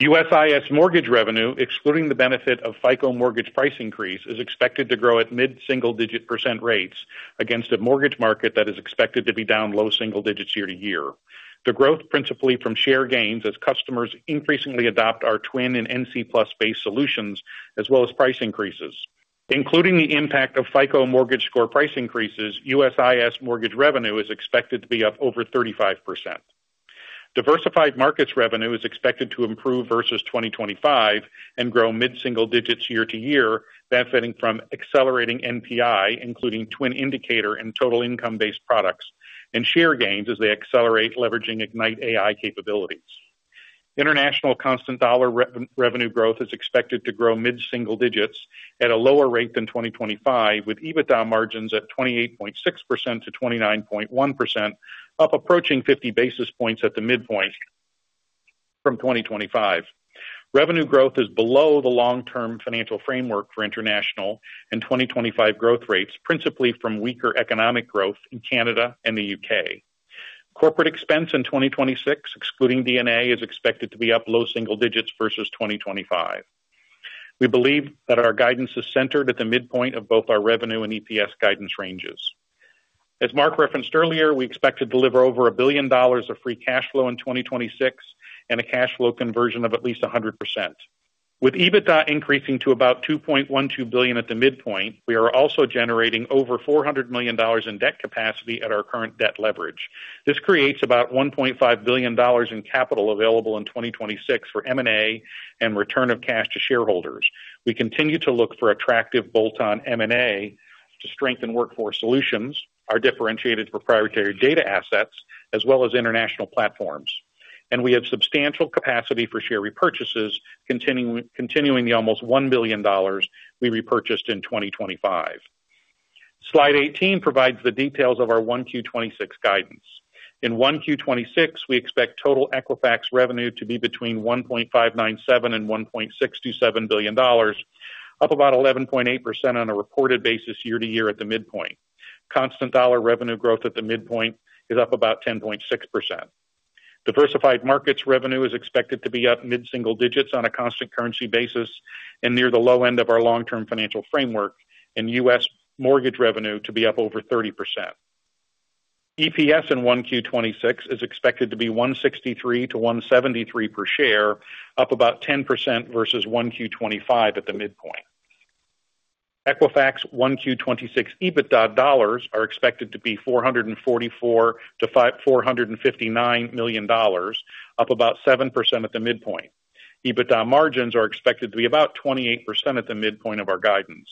USIS mortgage revenue, excluding the benefit of FICO mortgage price increase, is expected to grow at mid-single digit % rates against a mortgage market that is expected to be down low single digits year-over-year. The growth principally from share gains as customers increasingly adopt our Twin and NC Plus-based solutions, as well as price increases. Including the impact of FICO mortgage score price increases, USIS mortgage revenue is expected to be up over 35%. Diversified markets revenue is expected to improve versus 2025 and grow mid-single digits year-over-year, benefiting from accelerating NPI, including Twin Indicator and total income-based products, and share gains as they accelerate, leveraging Ignite AI capabilities. International constant dollar revenue growth is expected to grow mid-single digits at a lower rate than 2025, with EBITDA margins at 28.6%-29.1%, up approaching 50 basis points at the midpoint from 2025. Revenue growth is below the long-term financial framework for international and 2026 growth rates, principally from weaker economic growth in Canada and the UK. Corporate expense in 2026, excluding DNA, is expected to be up low single digits versus 2025. We believe that our guidance is centered at the midpoint of both our revenue and EPS guidance ranges. As Mark referenced earlier, we expect to deliver over $1 billion of free cash flow in 2026 and a cash flow conversion of at least 100%. With EBITDA increasing to about $2.12 billion at the midpoint, we are also generating over $400 million in debt capacity at our current debt leverage. This creates about $1.5 billion in capital available in 2026 for M&A and return of cash to shareholders. We continue to look for attractive bolt-on M&A to strengthen workforce solutions, our differentiated proprietary data assets, as well as international platforms, and we have substantial capacity for share repurchases, continuing the almost $1 billion we repurchased in 2025. Slide 18 provides the details of our 1Q 2026 guidance. In 1Q 2026, we expect total Equifax revenue to be between $1.597 billion and $1.627 billion, up about 11.8% on a reported basis year-over-year at the midpoint. Constant dollar revenue growth at the midpoint is up about 10.6%. Diversified markets revenue is expected to be up mid-single digits on a constant currency basis and near the low end of our long-term financial framework, and U.S. mortgage revenue to be up over 30%. EPS in 1Q 2026 is expected to be $1.63-$1.73 per share, up about 10% versus 1Q 2025 at the midpoint. Equifax 1Q 2026 EBITDA dollars are expected to be $444 million-$459 million, up about 7% at the midpoint. EBITDA margins are expected to be about 28% at the midpoint of our guidance.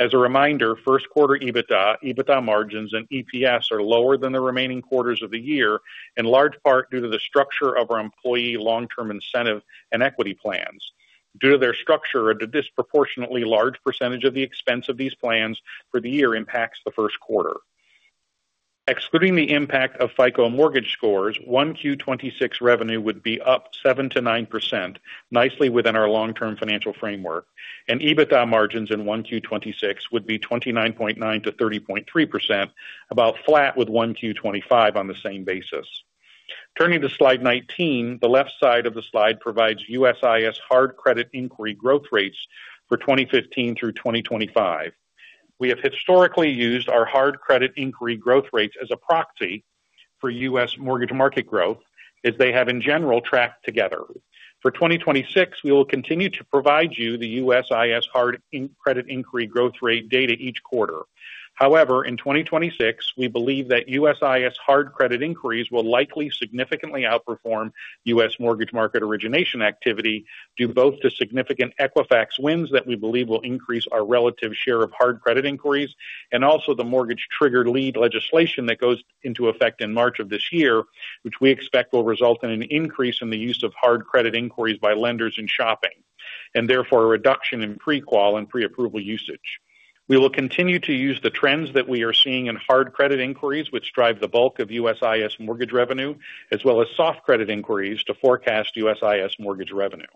As a reminder, first quarter EBITDA, EBITDA margins and EPS are lower than the remaining quarters of the year, in large part due to the structure of our employee long-term incentive and equity plans. Due to their structure, a disproportionately large percentage of the expense of these plans for the year impacts the first quarter. Excluding the impact of FICO mortgage scores, 1Q 2026 revenue would be up 7%-9%, nicely within our long-term financial framework, and EBITDA margins in 1Q 2026 would be 29.9%-30.3%, about flat with 1Q 2025 on the same basis. Turning to slide 19, the left side of the slide provides USIS hard credit inquiry growth rates for 2015 through 2025. We have historically used our hard credit inquiry growth rates as a proxy for U.S. mortgage market growth, as they have in general tracked together. For 2026, we will continue to provide you the USIS hard credit inquiry growth rate data each quarter. However, in 2026, we believe that USIS hard credit inquiries will likely significantly outperform U.S. mortgage market origination activity, due both to significant Equifax wins that we believe will increase our relative share of hard credit inquiries and also the mortgage trigger lead legislation that goes into effect in March of this year, which we expect will result in an increase in the use of hard credit inquiries by lenders and shopping, and therefore a reduction in pre-qual and pre-approval usage. We will continue to use the trends that we are seeing in hard credit inquiries, which drive the bulk of USIS mortgage revenue, as well as soft credit inquiries to forecast USIS mortgage revenue.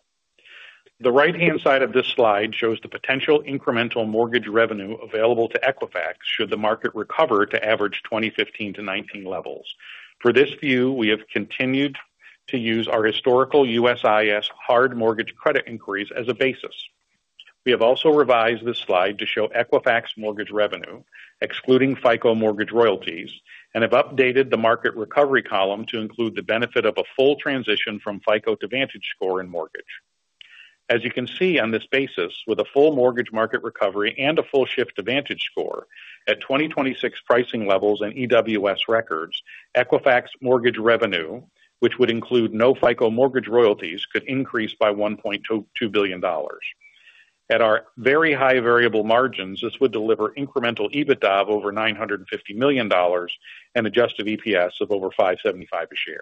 The right-hand side of this slide shows the potential incremental mortgage revenue available to Equifax should the market recover to average 2015-2019 levels. For this view, we have continued to use our historical USIS hard mortgage credit inquiries as a basis. We have also revised this slide to show Equifax mortgage revenue, excluding FICO mortgage royalties, and have updated the market recovery column to include the benefit of a full transition from FICO to VantageScore and Mortgage. As you can see on this basis, with a full mortgage market recovery and a full shift to VantageScore at 2026 pricing levels and EWS records, Equifax mortgage revenue, which would include no FICO mortgage royalties, could increase by $1.2-$2 billion. At our very high variable margins, this would deliver incremental EBITDA of over $950 million and adjusted EPS of over $5.75 a share.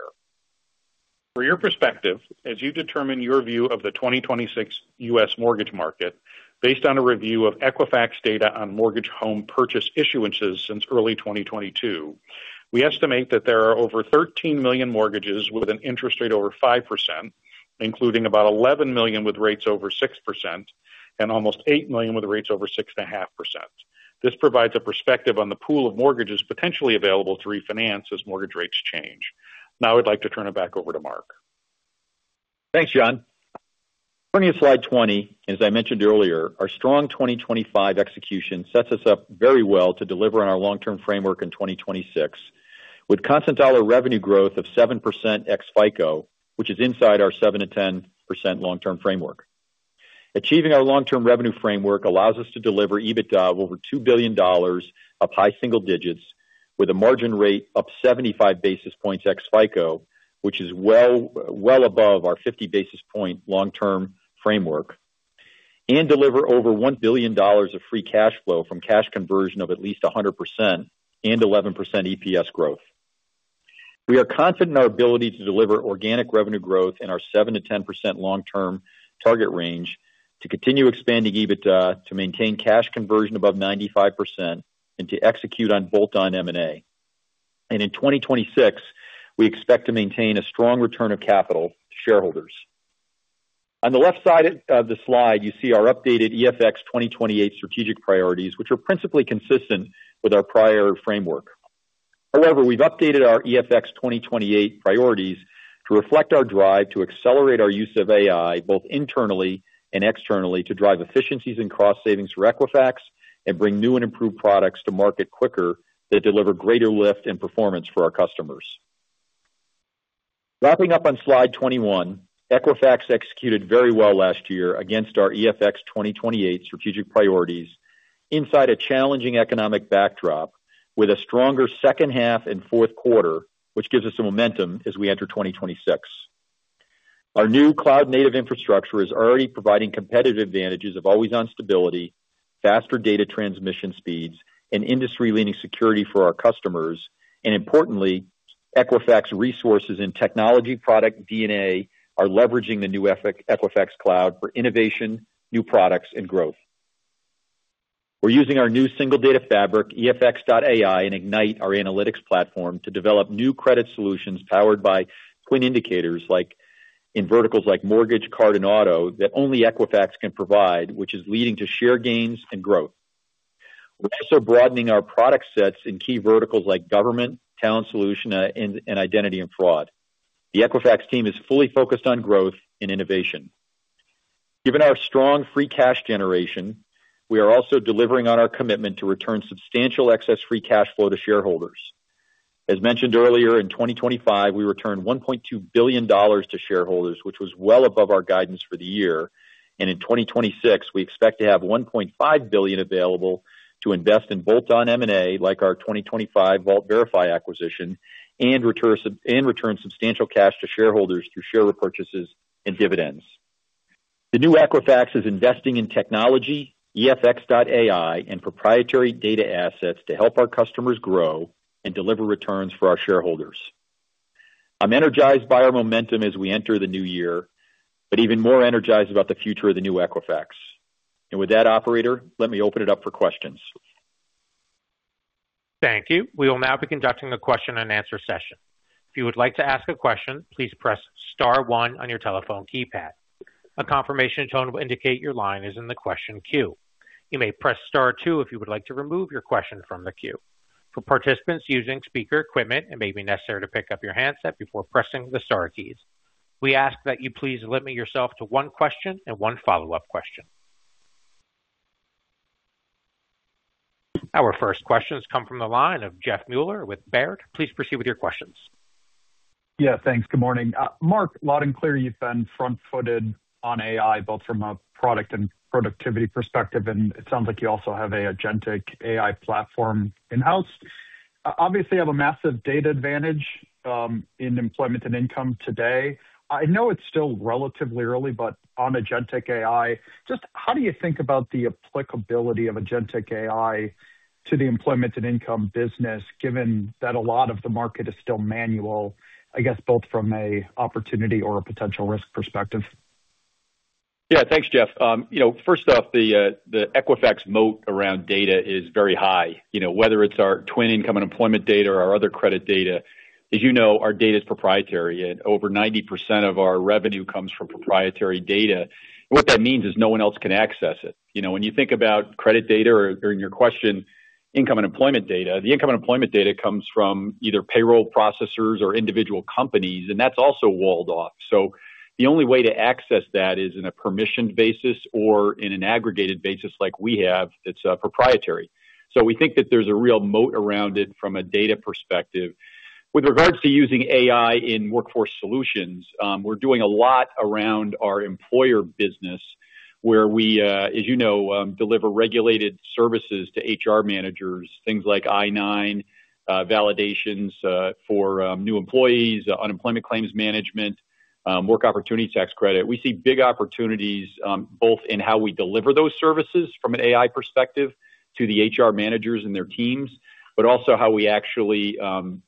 For your perspective, as you determine your view of the 2026 US mortgage market, based on a review of Equifax data on mortgage home purchase issuances since early 2022, we estimate that there are over 13 million mortgages with an interest rate over 5%, including about 11 million with rates over 6% and almost 8 million with rates over 6.5%. This provides a perspective on the pool of mortgages potentially available to refinance as mortgage rates change. Now, I'd like to turn it back over to Mark. Thanks, John. Turning to slide 20, as I mentioned earlier, our strong 2025 execution sets us up very well to deliver on our long-term framework in 2026, with constant dollar revenue growth of 7% ex FICO, which is inside our 7%-10% long-term framework. Achieving our long-term revenue framework allows us to deliver EBITDA of over $2 billion up high single digits with a margin rate up 75 basis points ex FICO, which is well, well above our 50 basis points long-term framework, and deliver over $1 billion of free cash flow from cash conversion of at least 100% and 11% EPS growth. We are confident in our ability to deliver organic revenue growth in our 7%-10% long-term target range, to continue expanding EBITDA, to maintain cash conversion above 95%, and to execute on bolt-on M&A. In 2026, we expect to maintain a strong return of capital to shareholders. On the left side of the slide, you see our updated EFX 2028 strategic priorities, which are principally consistent with our prior framework. However, we've updated our EFX 2028 priorities to reflect our drive to accelerate our use of AI, both internally and externally, to drive efficiencies and cost savings for Equifax and bring new and improved products to market quicker that deliver greater lift and performance for our customers. Wrapping up on slide 21, Equifax executed very well last year against our EFX 2028 strategic priorities inside a challenging economic backdrop with a stronger second half and fourth quarter, which gives us some momentum as we enter 2026. Our new cloud-native infrastructure is already providing competitive advantages of always-on stability, faster data transmission speeds, and industry-leading security for our customers. Importantly, Equifax resources and technology product DNA are leveraging the new Equifax Cloud for innovation, new products, and growth. We're using our new single data fabric, EFX.AI, and Ignite, our analytics platform, to develop new credit solutions powered by twin indicators, like in verticals like mortgage, card, and auto, that only Equifax can provide, which is leading to share gains and growth. We're also broadening our product sets in key verticals like government, Talent Solution, and identity and fraud. The Equifax team is fully focused on growth and innovation. Given our strong free cash generation, we are also delivering on our commitment to return substantial excess free cash flow to shareholders. As mentioned earlier, in 2025, we returned $1.2 billion to shareholders, which was well above our guidance for the year, and in 2026, we expect to have $1.5 billion available to invest in bolt-on M&A, like our 2025 Vault Verify acquisition, and return substantial cash to shareholders through share repurchases and dividends. The new Equifax is investing in technology, EFX.ai, and proprietary data assets to help our customers grow and deliver returns for our shareholders. I'm energized by our momentum as we enter the new year, but even more energized about the future of the new Equifax. And with that, operator, let me open it up for questions. Thank you. We will now be conducting a question-and-answer session. If you would like to ask a question, please press star one on your telephone keypad. A confirmation tone will indicate your line is in the question queue. You may press star two if you would like to remove your question from the queue. For participants using speaker equipment, it may be necessary to pick up your handset before pressing the star keys. We ask that you please limit yourself to one question and one follow-up question. Our first question has come from the line of Jeff Meuler with Baird. Please proceed with your questions. Yeah, thanks. Good morning. Mark, loud and clear, you've been front-footed on AI, both from a product and productivity perspective, and it sounds like you also have an Agentic AI platform in-house. Obviously, you have a massive data advantage in employment and income today. I know it's still relatively early, but on Agentic AI, just how do you think about the applicability of Agentic AI to the employment and income business, given that a lot of the market is still manual, I guess, both from an opportunity or a potential risk perspective? Yeah. Thanks, Jeff. You know, first off, the, the Equifax moat around data is very high. You know, whether it's our twin income and employment data or our other credit data, as you know, our data is proprietary, and over 90% of our revenue comes from proprietary data. What that means is no one else can access it. You know, when you think about credit data or, or in your question, income and employment data, the income and employment data comes from either payroll processors or individual companies, and that's also walled off. So the only way to access that is in a permissioned basis or in an aggregated basis like we have, that's proprietary. So we think that there's a real moat around it from a data perspective. With regards to using AI in workforce solutions, we're doing a lot around our employer business, where we, as you know, deliver regulated services to HR managers, things like I-9 validations, for new employees, unemployment claims management, Work Opportunity Tax Credit. We see big opportunities, both in how we deliver those services from an AI perspective to the HR managers and their teams, but also how we actually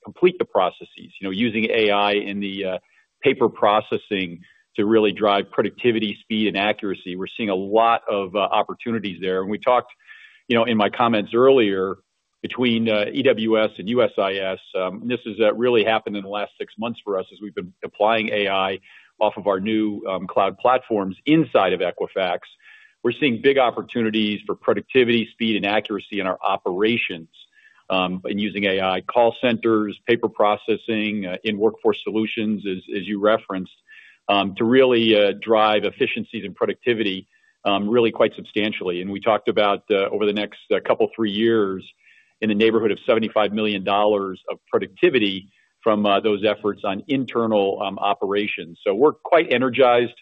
complete the processes. You know, using AI in the paper processing to really drive productivity, speed, and accuracy. We're seeing a lot of opportunities there. And we talked, you know, in my comments earlier, between EWS and USIS, and this has really happened in the last six months for us as we've been applying AI off of our new cloud platforms inside of Equifax. We're seeing big opportunities for productivity, speed, and accuracy in our operations in using AI call centers, paper processing, in workforce solutions, as you referenced, to really drive efficiencies and productivity, really quite substantially. We talked about over the next couple three years, in the neighborhood of $75 million of productivity from those efforts on internal operations. So we're quite energized,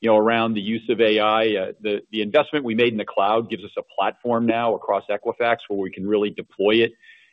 you know, around the use of AI. The investment we made in the cloud gives us a platform now across Equifax, where we can really deploy it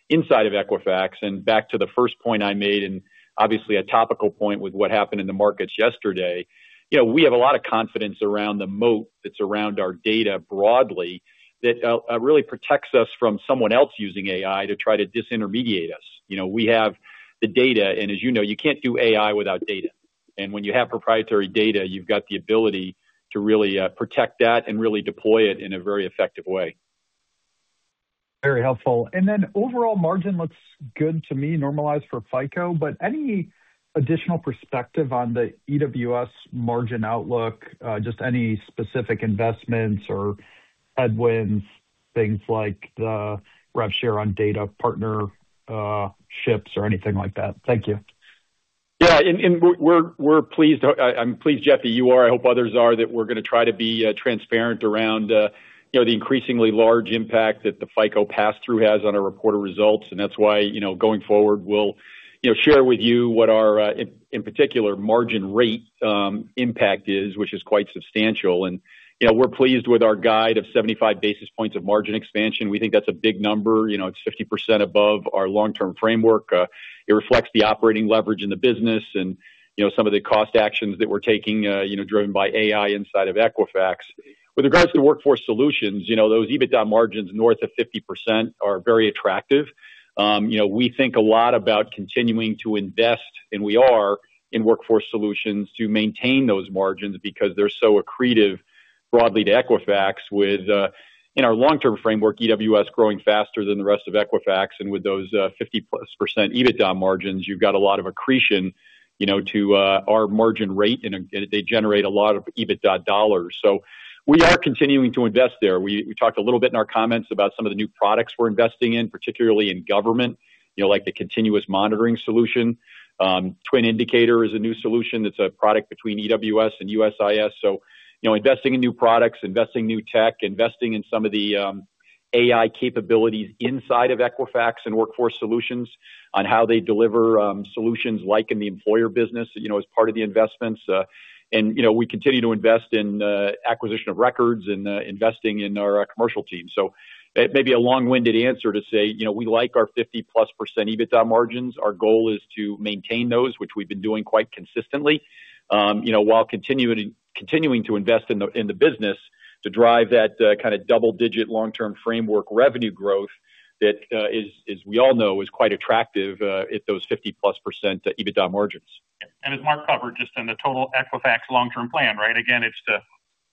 inside of Equifax. Back to the first point I made, and obviously a topical point with what happened in the markets yesterday, you know, we have a lot of confidence around the moat that's around our data broadly, that really protects us from someone else using AI to try to disintermediate us. You know, we have the data, and as you know, you can't do AI without data. And when you have proprietary data, you've got the ability to really protect that and really deploy it in a very effective way. Very helpful. And then overall margin looks good to me, normalized for FICO, but any additional perspective on the EWS margin outlook, just any specific investments or headwinds, things like the rev share on data partnerships or anything like that? Thank you. Yeah, we're pleased. I'm pleased, Jeff, that you are. I hope others are, that we're gonna try to be transparent around, you know, the increasingly large impact that the FICO passthrough has on our reported results. And that's why, you know, going forward, we'll, you know, share with you what our, in particular, margin rate impact is, which is quite substantial. And, you know, we're pleased with our guide of 75 basis points of margin expansion. We think that's a big number. You know, it's 50% above our long-term framework. It reflects the operating leverage in the business and, you know, some of the cost actions that we're taking, you know, driven by AI inside of Equifax. With regards to the Workforce Solutions, you know, those EBITDA margins north of 50% are very attractive. You know, we think a lot about continuing to invest, and we are, in Workforce Solutions to maintain those margins because they're so accretive broadly to Equifax with in our long-term framework, EWS growing faster than the rest of Equifax. And with those fifty-plus percent EBITDA margins, you've got a lot of accretion, you know, to our margin rate, and they generate a lot of EBITDA dollars. So we are continuing to invest there. We talked a little bit in our comments about some of the new products we're investing in, particularly in government, you know, like the continuous monitoring solution. Twin Indicator is a new solution that's a product between EWS and USIS. So, you know, investing in new products, investing new tech, investing in some of the, AI capabilities inside of Equifax and Workforce Solutions on how they deliver, solutions, like in the employer business, you know, as part of the investments. And, you know, we continue to invest in, acquisition of records and, investing in our commercial team. So it may be a long-winded answer to say, you know, we like our 50%+ EBITDA margins. Our goal is to maintain those, which we've been doing quite consistently, you know, while continuing, continuing to invest in the, in the business to drive that, kind of double-digit long-term framework revenue growth that, is, as we all know, is quite attractive, at those 50%+ EBITDA margins. And as Mark covered, just in the total Equifax long-term plan, right? Again, it's to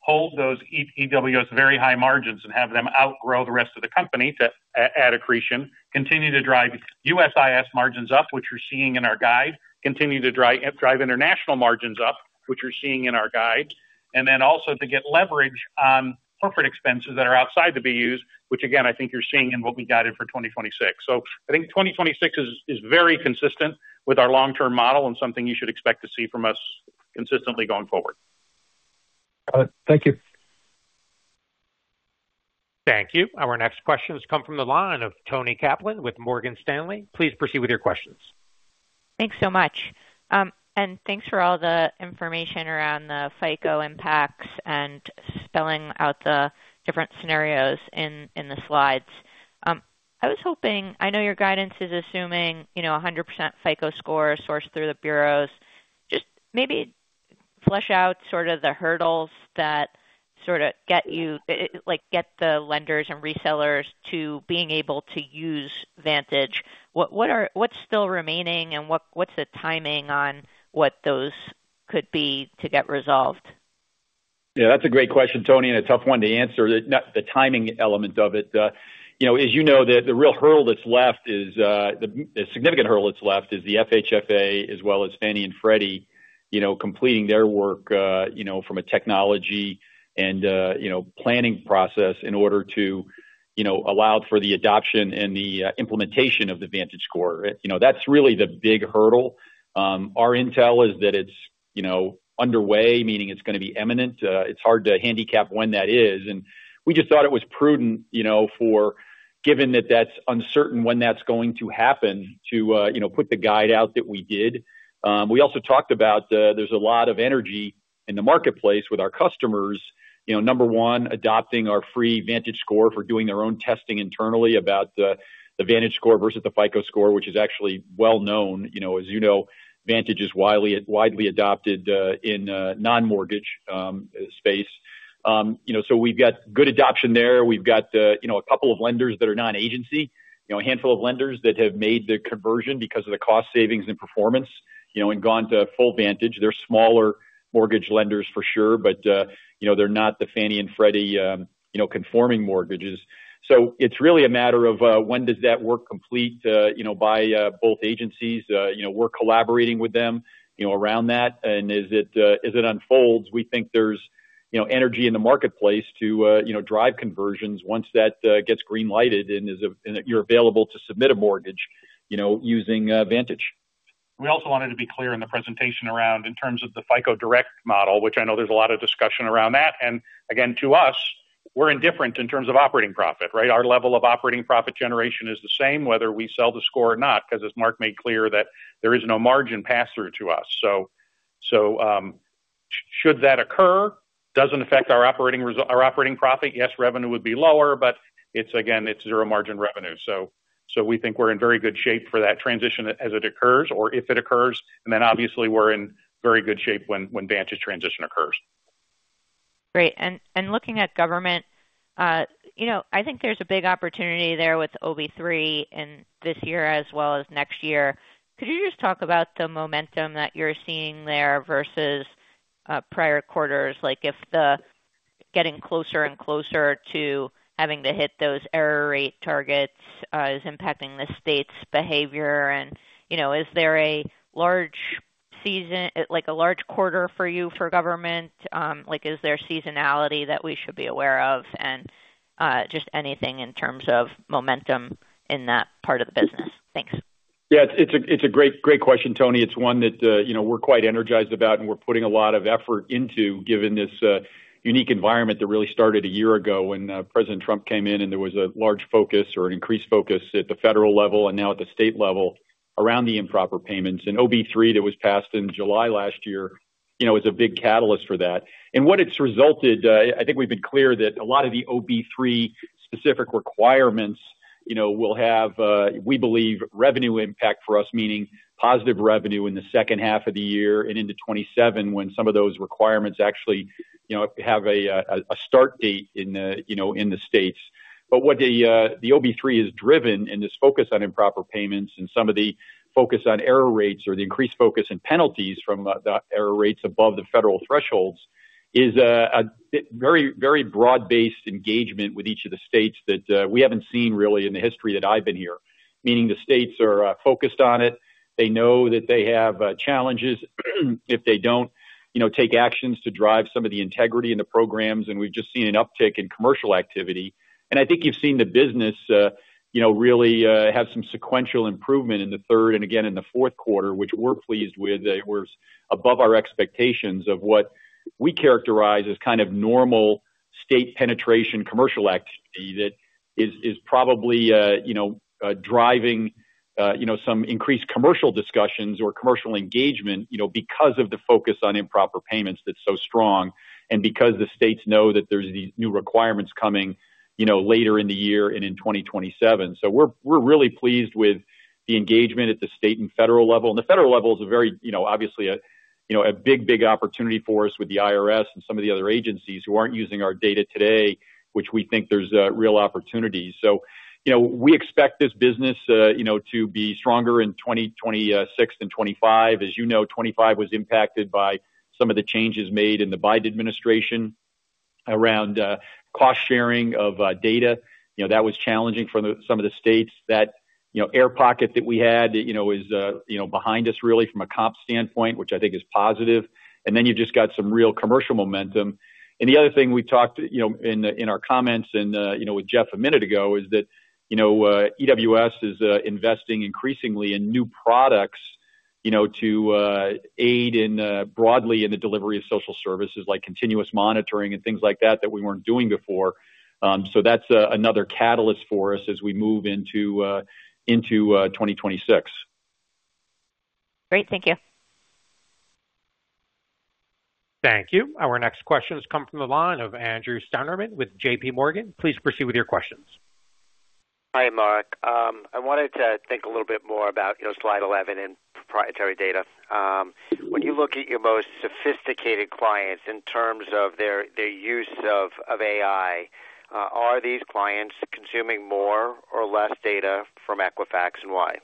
hold those EWS very high margins and have them outgrow the rest of the company to add accretion, continue to drive USIS margins up, which you're seeing in our guide, continue to drive international margins up, which you're seeing in our guide, and then also to get leverage on corporate expenses that are outside the BUs, which again, I think you're seeing in what we guided for 2026. So I think 2026 is very consistent with our long-term model and something you should expect to see from us consistently going forward. Got it. Thank you. Thank you. Our next question has come from the line of Toni Kaplan with Morgan Stanley. Please proceed with your questions. Thanks so much. And thanks for all the information around the FICO impacts and spelling out the different scenarios in the slides. I was hoping... I know your guidance is assuming, you know, 100% FICO score sourced through the bureaus. Just maybe flesh out sort of the hurdles that sort of get you, like, get the lenders and resellers to being able to use Vantage. What are what's still remaining and what's the timing on what those could be to get resolved? Yeah, that's a great question, Toni, and a tough one to answer, the timing element of it. You know, as you know, the real hurdle that's left is the significant hurdle that's left is the FHFA, as well as Fannie and Freddie, you know, completing their work, you know, from a technology and you know, planning process in order to, you know, allow for the adoption and the implementation of the VantageScore. You know, that's really the big hurdle. Our intel is that it's, you know, underway, meaning it's gonna be imminent. It's hard to handicap when that is, and we just thought it was prudent, you know, for... given that that's uncertain when that's going to happen, to you know, put the guide out that we did. We also talked about, there's a lot of energy in the marketplace with our customers, you know, number one, adopting our free Vantage score for doing their own testing internally about the Vantage score versus the FICO score, which is actually well known. You know, as you know, Vantage is widely adopted in non-mortgage space. You know, so we've got good adoption there. We've got, you know, a couple of lenders that are non-agency, you know, a handful of lenders that have made the conversion because of the cost savings and performance, you know, and gone to full Vantage. They're smaller mortgage lenders for sure, but, you know, they're not the Fannie and Freddie, you know, conforming mortgages. So it's really a matter of, when does that work complete, you know, by both agencies. You know, we're collaborating with them, you know, around that. As it unfolds, we think there's, you know, energy in the marketplace to, you know, drive conversions once that gets green lighted and is and you're available to submit a mortgage, you know, using Vantage. We also wanted to be clear in the presentation around in terms of the FICO direct model, which I know there's a lot of discussion around that. And again, to us, we're indifferent in terms of operating profit, right? Our level of operating profit generation is the same, whether we sell the score or not, because as Mark made clear, that there is no margin passthrough to us. So, should that occur, doesn't affect our operating profit. Yes, revenue would be lower, but it's again, it's zero margin revenue. So, we think we're in very good shape for that transition as it occurs or if it occurs, and then obviously, we're in very good shape when Vantage transition occurs. ... Great. And looking at government, you know, I think there's a big opportunity there with OB3 in this year as well as next year. Could you just talk about the momentum that you're seeing there versus prior quarters, like if getting closer and closer to having to hit those error rate targets is impacting the state's behavior and, you know, is there a large season, like a large quarter for you for government? Like, is there seasonality that we should be aware of? And just anything in terms of momentum in that part of the business. Thanks. Yeah, it's a, it's a great, great question, Toni. It's one that, you know, we're quite energized about, and we're putting a lot of effort into, given this unique environment that really started a year ago when President Trump came in, and there was a large focus or an increased focus at the federal level and now at the state level around the improper payments. And OB3, that was passed in July last year, you know, is a big catalyst for that. And what it's resulted, I think we've been clear that a lot of the OB3 specific requirements, you know, will have, we believe, revenue impact for us, meaning positive revenue in the second half of the year and into 2027, when some of those requirements actually, you know, have a start date in the, you know, in the States. But what the OB3 has driven in this focus on improper payments and some of the focus on error rates or the increased focus on penalties from the error rates above the federal thresholds, is a very, very broad-based engagement with each of the states that we haven't seen really in the history that I've been here. Meaning the states are focused on it. They know that they have challenges if they don't, you know, take actions to drive some of the integrity in the programs, and we've just seen an uptick in commercial activity. And I think you've seen the business, you know, really have some sequential improvement in the third and again in the fourth quarter, which we're pleased with. It was above our expectations of what we characterize as kind of normal state penetration commercial activity that is, is probably, you know, driving, you know, some increased commercial discussions or commercial engagement, you know, because of the focus on improper payments that's so strong, and because the states know that there's these new requirements coming, you know, later in the year and in 2027. So we're, we're really pleased with the engagement at the state and federal level. And the federal level is a very, you know, obviously a, you know, a big, big opportunity for us with the IRS and some of the other agencies who aren't using our data today, which we think there's a real opportunity. So, you know, we expect this business, you know, to be stronger in 2026 than 2025. As you know, 2025 was impacted by some of the changes made in the Biden administration around cost sharing of data. You know, that was challenging for some of the states. That air pocket that we had is behind us really from a comp standpoint, which I think is positive. And then you've just got some real commercial momentum. And the other thing we talked in our comments with Jeff a minute ago is that EWS is investing increasingly in new products to aid broadly in the delivery of social services, like continuous monitoring and things like that, that we weren't doing before. So that's another catalyst for us as we move into 2026. Great. Thank you. Thank you. Our next question has come from the line of Andrew Steinerman with J.P. Morgan. Please proceed with your questions. Hi, Mark. I wanted to think a little bit more about, you know, slide 11 and proprietary data. When you look at your most sophisticated clients in terms of their, their use of, of AI, are these clients consuming more or less data from Equifax, and why?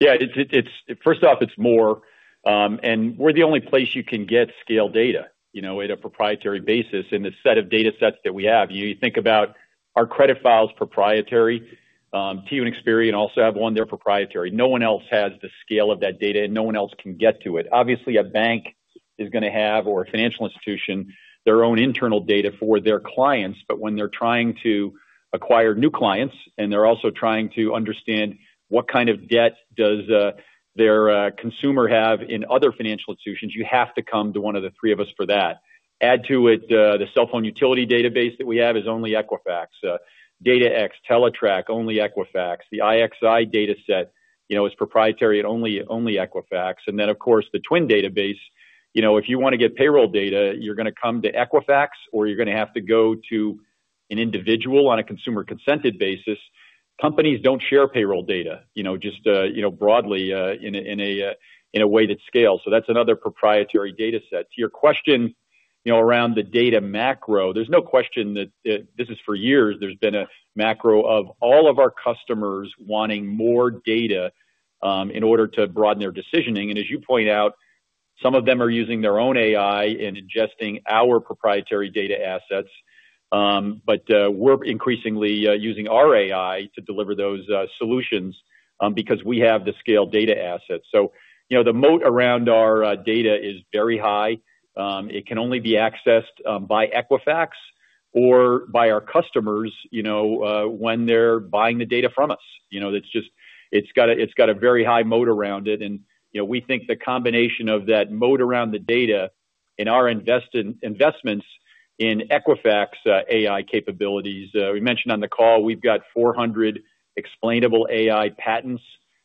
Yeah, it's first off, it's more, and we're the only place you can get scale data, you know, at a proprietary basis in the set of datasets that we have. You think about our credit file is proprietary, TransUnion and Experian also have one, they're proprietary. No one else has the scale of that data, and no one else can get to it. Obviously, a bank is gonna have, or a financial institution, their own internal data for their clients, but when they're trying to acquire new clients, and they're also trying to understand what kind of debt does their consumer have in other financial institutions, you have to come to one of the three of us for that. Add to it, the cell phone utility database that we have is only Equifax. DataX, Teletrack, only Equifax. The IXI dataset, you know, is proprietary at only, only Equifax. And then, of course, the Twin database, you know, if you want to get payroll data, you're gonna come to Equifax, or you're gonna have to go to an individual on a consumer-consented basis. Companies don't share payroll data, you know, just, you know, broadly, in a way that scales. So that's another proprietary dataset. To your question, you know, around the data macro, there's no question that, this is for years, there's been a macro of all of our customers wanting more data, in order to broaden their decisioning. And as you point out, some of them are using their own AI and ingesting our proprietary data assets, but we're increasingly using our AI to deliver those solutions because we have the scale data assets. So, you know, the moat around our data is very high. It can only be accessed by Equifax or by our customers, you know, when they're buying the data from us. You know, it's just got a very high moat around it, and, you know, we think the combination of that moat around the data in our investments in Equifax AI capabilities, we mentioned on the call, we've got 400 explainable AI patents.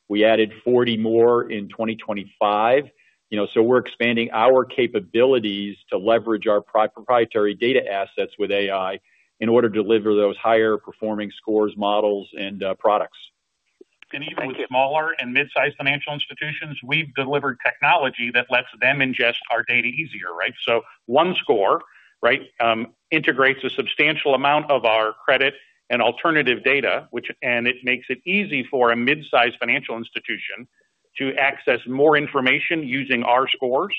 We added 40 more in 2025. You know, so we're expanding our capabilities to leverage our proprietary data assets with AI in order to deliver those higher performing scores, models, and products.... Even with smaller and mid-sized financial institutions, we've delivered technology that lets them ingest our data easier, right? So OneScore, right, integrates a substantial amount of our credit and alternative data, which and it makes it easy for a mid-sized financial institution to access more information using our scores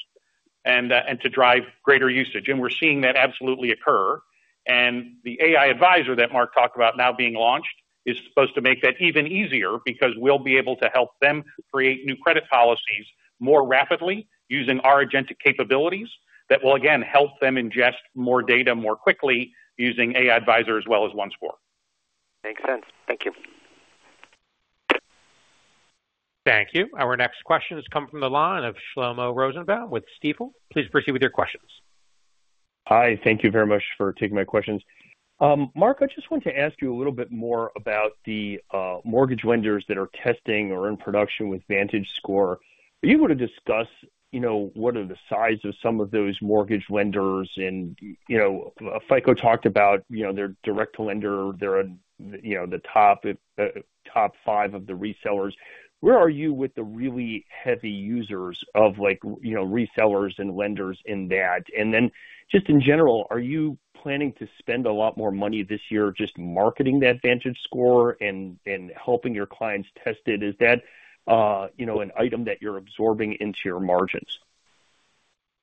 and to drive greater usage. We're seeing that absolutely occur. The AI Advisor that Mark talked about now being launched is supposed to make that even easier because we'll be able to help them create new credit policies more rapidly using our agentic capabilities that will, again, help them ingest more data more quickly using AI Advisor as well as OneScore. Makes sense. Thank you. Thank you. Our next question has come from the line of Shlomo Rosenbaum with Stifel. Please proceed with your questions. Hi, thank you very much for taking my questions. Mark, I just want to ask you a little bit more about the, mortgage lenders that are testing or in production with Vantage Score. Are you able to discuss, you know, what are the size of some of those mortgage lenders and, you know, FICO talked about, you know, their direct lender, their, you know, the top, top five of the resellers. Where are you with the really heavy users of like, you know, resellers and lenders in that? And then, just in general, are you planning to spend a lot more money this year just marketing that Vantage Score and, and helping your clients test it? Is that, you know, an item that you're absorbing into your margins?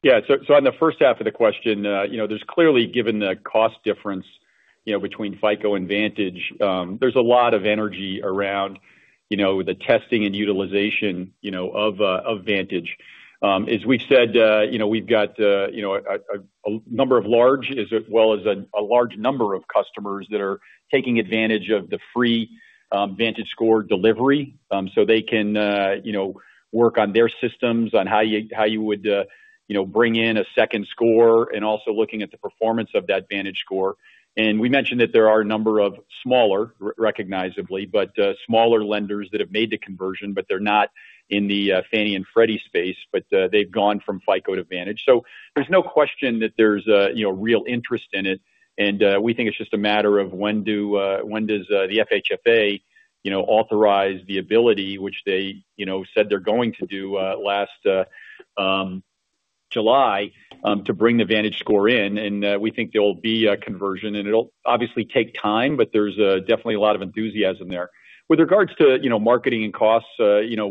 Yeah, so, so on the first half of the question, you know, there's clearly, given the cost difference, you know, between FICO and Vantage, there's a lot of energy around, you know, the testing and utilization, you know, of Vantage. As we've said, you know, we've got, you know, a number of large as well as a large number of customers that are taking advantage of the free Vantage Score delivery. So they can, you know, work on their systems on how you would, you know, bring in a second score and also looking at the performance of that Vantage Score. We mentioned that there are a number of smaller, recognizable, but smaller lenders that have made the conversion, but they're not in the Fannie and Freddie space, but they've gone from FICO to Vantage. So there's no question that there's, you know, real interest in it, and we think it's just a matter of when does the FHFA, you know, authorize the ability which they, you know, said they're going to do last July to bring the Vantage Score in, and we think there will be a conversion, and it'll obviously take time, but there's definitely a lot of enthusiasm there. With regards to, you know, marketing and costs, you know,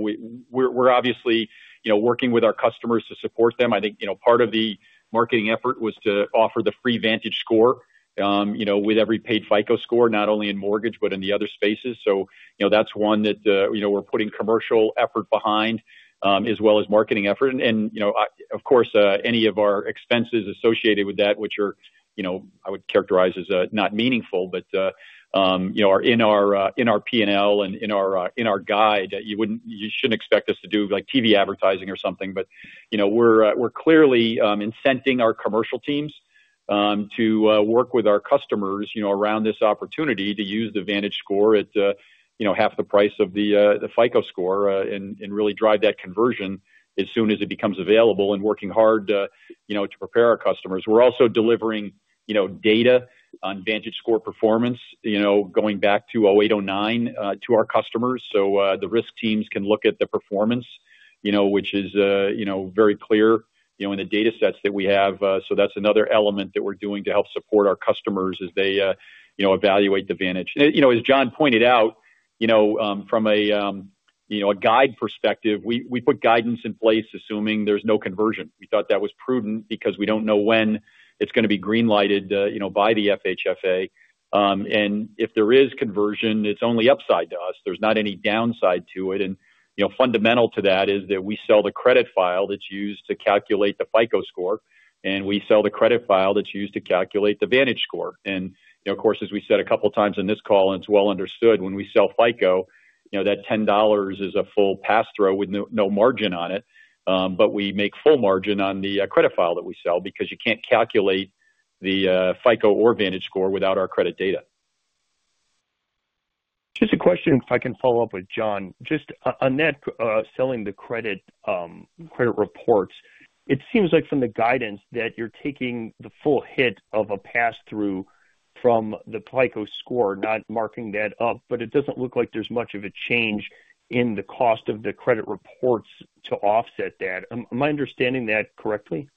we're obviously, you know, working with our customers to support them. I think, you know, part of the marketing effort was to offer the free VantageScore, you know, with every paid FICO score, not only in mortgage, but in the other spaces. So, you know, that's one that, you know, we're putting commercial effort behind, as well as marketing effort. And, you know, of course, any of our expenses associated with that, which are, you know, I would characterize as, not meaningful, but, you know, are in our, in our P&L and in our, in our guide, you wouldn't-- you shouldn't expect us to do, like, TV advertising or something. But, you know, we're clearly incenting our commercial teams to work with our customers, you know, around this opportunity to use the VantageScore at, you know, half the price of the FICO score, and really drive that conversion as soon as it becomes available and working hard, you know, to prepare our customers. We're also delivering, you know, data on VantageScore performance, you know, going back to 2008, 2009, to our customers. So, the risk teams can look at the performance, you know, which is, you know, very clear, you know, in the data sets that we have. So that's another element that we're doing to help support our customers as they, you know, evaluate the VantageScore. You know, as John pointed out, you know, from a guide perspective, we put guidance in place, assuming there's no conversion. We thought that was prudent because we don't know when it's going to be green lighted, you know, by the FHFA. And if there is conversion, it's only upside to us. There's not any downside to it. And, you know, fundamental to that is that we sell the credit file that's used to calculate the FICO score, and we sell the credit file that's used to calculate the VantageScore. And, you know, of course, as we said a couple of times in this call, and it's well understood, when we sell FICO, you know, that $10 is a full pass-through with no margin on it. But we make full margin on the credit file that we sell because you can't calculate the FICO or VantageScore without our credit data. Just a question, if I can follow up with John. Just on net, selling the credit, credit reports, it seems like from the guidance that you're taking the full hit of a pass-through from the FICO score, not marking that up, but it doesn't look like there's much of a change in the cost of the credit reports to offset that. Am I understanding that correctly?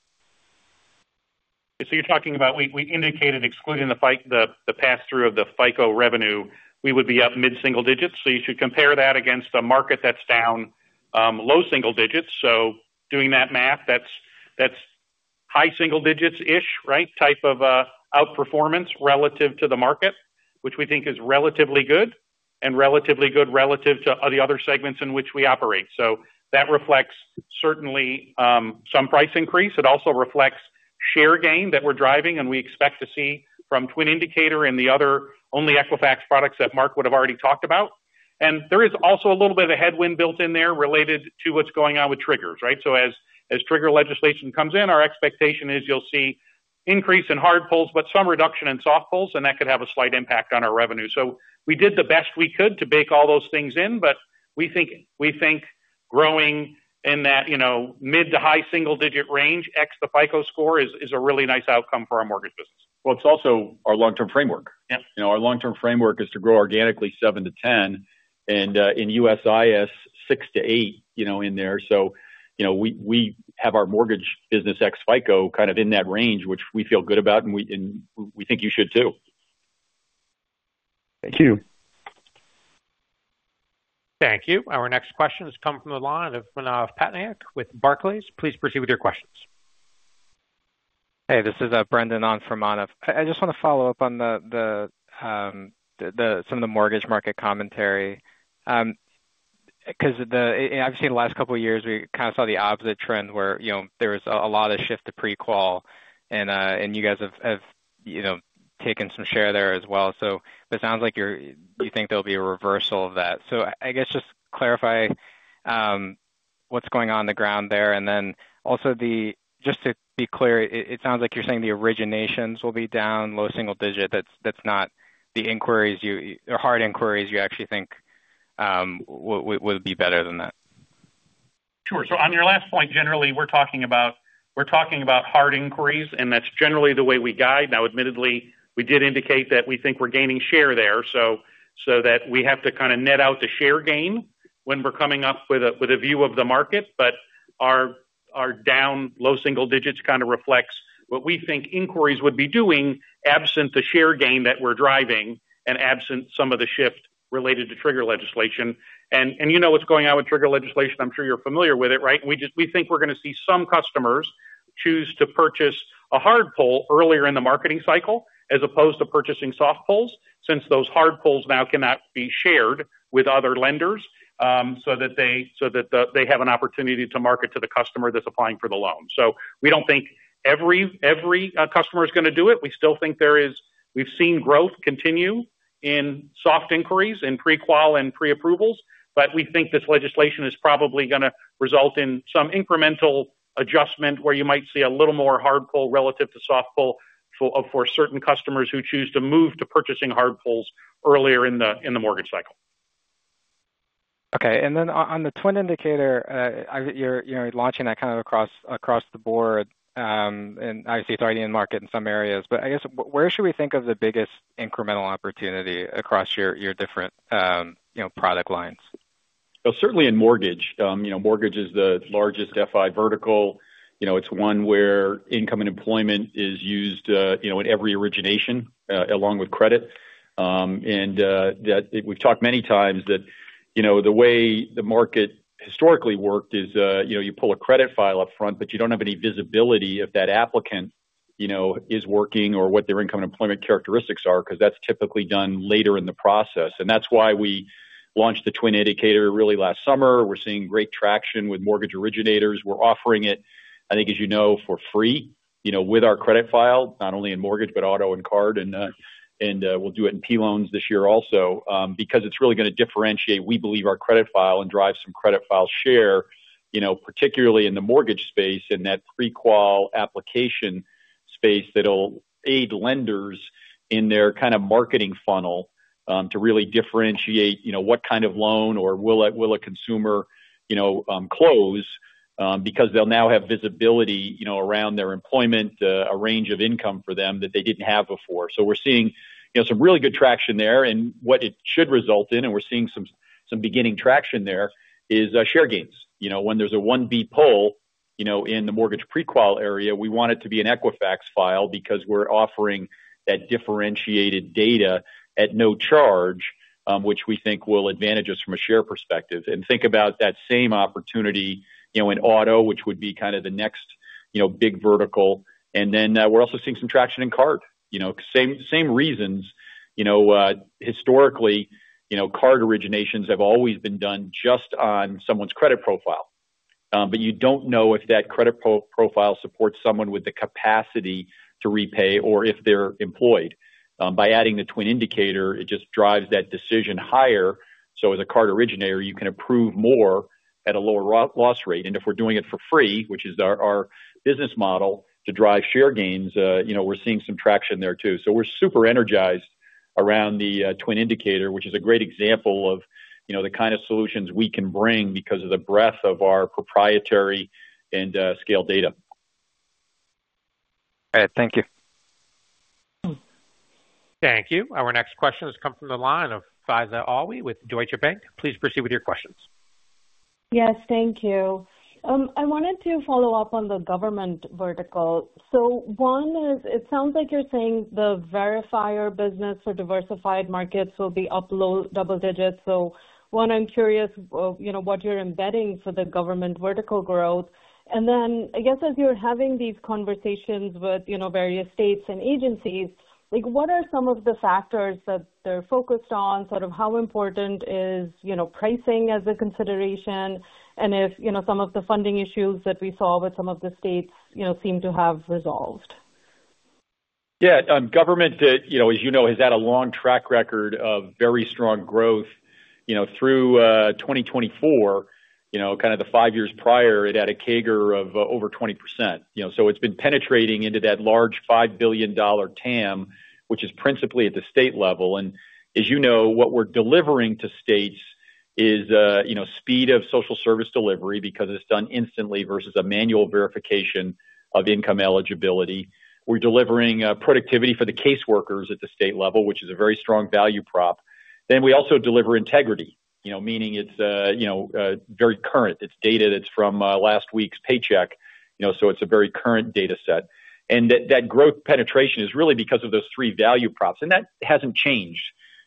So you're talking about we, we indicated excluding the FICO, the pass-through of the FICO revenue, we would be up mid-single digits. So you should compare that against a market that's down low single digits. So doing that math, that's high single digits-ish, right? Type of outperformance relative to the market, which we think is relatively good and relatively good relative to all the other segments in which we operate. So that reflects certainly some price increase. It also reflects share gain that we're driving and we expect to see from Twin Indicator and the other only Equifax products that Mark would have already talked about. And there is also a little bit of a headwind built in there related to what's going on with triggers, right? So as trigger legislation comes in, our expectation is you'll see increase in hard pulls, but some reduction in soft pulls, and that could have a slight impact on our revenue. We did the best we could to bake all those things in, but we think, we think-... growing in that, you know, mid to high single-digit range ex the FICO score is a really nice outcome for our mortgage business. Well, it's also our long-term framework. Yes. You know, our long-term framework is to grow organically 7-10, and in USIS, 6-8, you know, in there. So, you know, we have our mortgage business ex FICO kind of in that range, which we feel good about, and we think you should, too. Thank you. Thank you. Our next question has come from the line of Manav Patnaik with Barclays. Please proceed with your questions. Hey, this is Brendan on for Manav. I just want to follow up on some of the mortgage market commentary. 'Cause, and I've seen the last couple of years, we kind of saw the opposite trend where, you know, there was a lot of shift to pre-qual, and you guys have, you know, taken some share there as well. So it sounds like you think there'll be a reversal of that. So I guess just clarify what's going on on the ground there. And then also, just to be clear, it sounds like you're saying the originations will be down low single digit. That's not the inquiries or hard inquiries you actually think would be better than that? Sure. So on your last point, generally, we're talking about, we're talking about hard inquiries, and that's generally the way we guide. Now, admittedly, we did indicate that we think we're gaining share there, so, so that we have to kind of net out the share gain when we're coming up with a, with a view of the market. But our, our down low single digits kind of reflects what we think inquiries would be doing, absent the share gain that we're driving and absent some of the shift related to trigger legislation. And, and you know what's going on with trigger legislation. I'm sure you're familiar with it, right? We think we're going to see some customers choose to purchase a hard pull earlier in the marketing cycle as opposed to purchasing soft pulls, since those hard pulls now cannot be shared with other lenders, so that they have an opportunity to market to the customer that's applying for the loan. We don't think every customer is going to do it. We still think there is... We've seen growth continue in soft inquiries, in pre-qual and pre-approvals, but we think this legislation is probably going to result in some incremental adjustment, where you might see a little more hard pull relative to soft pull for certain customers who choose to move to purchasing hard pulls earlier in the mortgage cycle. Okay, and then on the Twin Indicator, you're, you know, launching that kind of across, across the board, and obviously it's already in market in some areas, but I guess where should we think of the biggest incremental opportunity across your, your different, you know, product lines? Well, certainly in mortgage. You know, mortgage is the largest FI vertical. You know, it's one where income and employment is used, you know, in every origination, along with credit. And, we've talked many times that, you know, the way the market historically worked is, you know, you pull a credit file up front, but you don't have any visibility if that applicant, you know, is working or what their income and employment characteristics are, because that's typically done later in the process. And that's why we launched the Twin Indicator really last summer. We're seeing great traction with mortgage originators. We're offering it, I think, as you know, for free, you know, with our credit file, not only in mortgage, but auto and card, and we'll do it in personal loans this year also, because it's really going to differentiate, we believe, our credit file and drive some credit file share, you know, particularly in the mortgage space and that pre-qual application space that'll aid lenders in their kind of marketing funnel, to really differentiate, you know, what kind of loan or will a, will a consumer, you know, close? Because they'll now have visibility, you know, around their employment, a range of income for them that they didn't have before. So we're seeing, you know, some really good traction there and what it should result in, and we're seeing some, some beginning traction there, is share gains. You know, when there's a 1B pull, you know, in the mortgage pre-qual area, we want it to be an Equifax file because we're offering that differentiated data at no charge, which we think will advantage us from a share perspective. And think about that same opportunity, you know, in auto, which would be kind of the next, you know, big vertical. And then, we're also seeing some traction in card. You know, same, same reasons. You know, historically, you know, card originations have always been done just on someone's credit profile, but you don't know if that credit profile supports someone with the capacity to repay or if they're employed. By adding the twin indicator, it just drives that decision higher, so as a card originator, you can approve more at a lower loss rate. And if we're doing it for free, which is our, our business model, to drive share gains, you know, we're seeing some traction there, too. So we're super energized around the Twin Indicator, which is a great example of, you know, the kind of solutions we can bring because of the breadth of our proprietary and scale data. All right. Thank you. Thank you. Our next question has come from the line of Faiza Alwy with Deutsche Bank. Please proceed with your questions. Yes, thank you. I wanted to follow up on the government vertical. So one is, it sounds like you're saying the verifier business for diversified markets will be up low double digits. So one, I'm curious, you know, what you're embedding for the government vertical growth. And then, I guess, as you're having these conversations with, you know, various states and agencies, like, what are some of the factors that they're focused on? Sort of how important is, you know, pricing as a consideration, and if, you know, some of the funding issues that we saw with some of the states, you know, seem to have resolved? Yeah, government, you know, as you know, has had a long track record of very strong growth, you know, through 2024. You know, kind of the five years prior, it had a CAGR of over 20%. You know, so it's been penetrating into that large $5 billion TAM, which is principally at the state level. And as you know, what we're delivering to states is, you know, speed of social service delivery because it's done instantly versus a manual verification of income eligibility. We're delivering productivity for the caseworkers at the state level, which is a very strong value prop. Then we also deliver integrity, you know, meaning it's, you know, very current. It's data that's from last week's paycheck, you know, so it's a very current data set. That growth penetration is really because of those three value props, and that hasn't changed.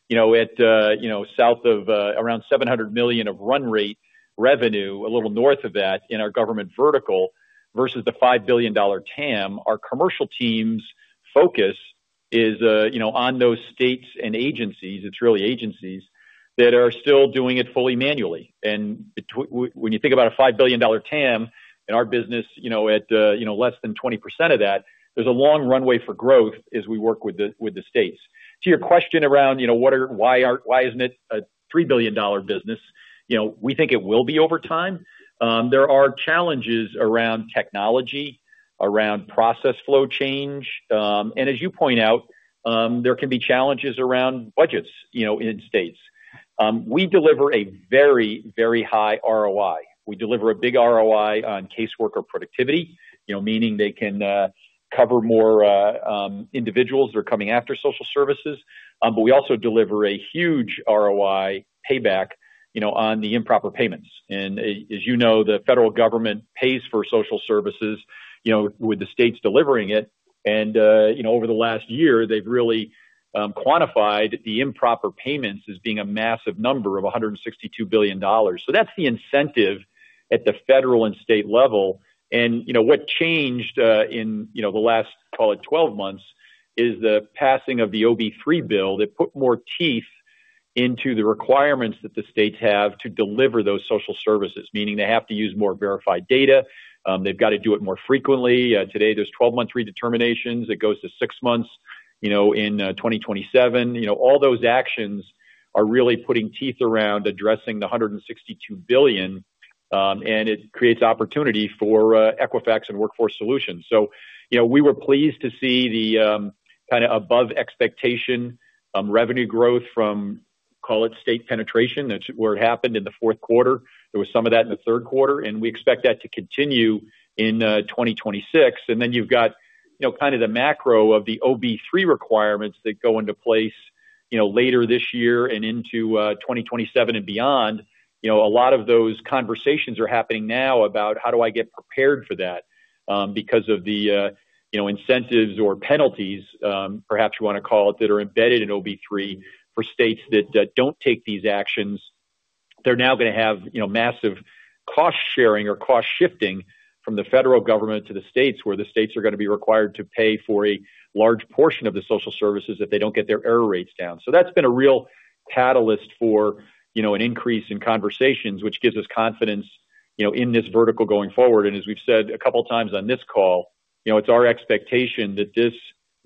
You know, at, you know, south of around 700 million of run rate revenue, a little north of that in our government vertical, versus the $5 billion TAM, our commercial team's focus is, you know, on those states and agencies, it's really agencies, that are still doing it fully manually. And when you think about a $5 billion TAM in our business, you know, at, you know, less than 20% of that, there's a long runway for growth as we work with the, with the states. To your question around, you know, what are... why isn't it a $3 billion business? You know, we think it will be over time. There are challenges around technology, around process flow change, and as you point out, there can be challenges around budgets, you know, in states. We deliver a very, very high ROI. We deliver a big ROI on caseworker productivity, you know, meaning they can cover more individuals who are coming after social services. But we also deliver a huge ROI payback, you know, on the improper payments. And as you know, the federal government pays for social services, you know, with the states delivering it, and you know, over the last year, they've really quantified the improper payments as being a massive number of $162 billion. So that's the incentive at the federal and state level. And, you know, what changed in, you know, the last, call it 12 months, is the passing of the OB3 bill that put more teeth into the requirements that the states have to deliver those social services, meaning they have to use more verified data. They've got to do it more frequently. Today, there's 12-month redeterminations. It goes to six months, you know, in 2027. You know, all those actions are really putting teeth around addressing the $162 billion, and it creates opportunity for Equifax and Workforce Solutions. So, you know, we were pleased to see the kind of above expectation revenue growth from, call it, state penetration. That's where it happened in the fourth quarter. There was some of that in the third quarter, and we expect that to continue in 2026. And then you've got, you know, kind of the macro of the OB3 requirements that go into place, you know, later this year and into 2027 and beyond. You know, a lot of those conversations are happening now about how do I get prepared for that? Because of the, you know, incentives or penalties, perhaps you wanna call it, that are embedded in OB3 for states that, that don't take these actions. They're now gonna have, you know, massive cost sharing or cost shifting from the federal government to the states, where the states are gonna be required to pay for a large portion of the social services if they don't get their error rates down. So that's been a real catalyst for, you know, an increase in conversations, which gives us confidence, you know, in this vertical going forward. As we've said a couple times on this call, you know, it's our expectation that this government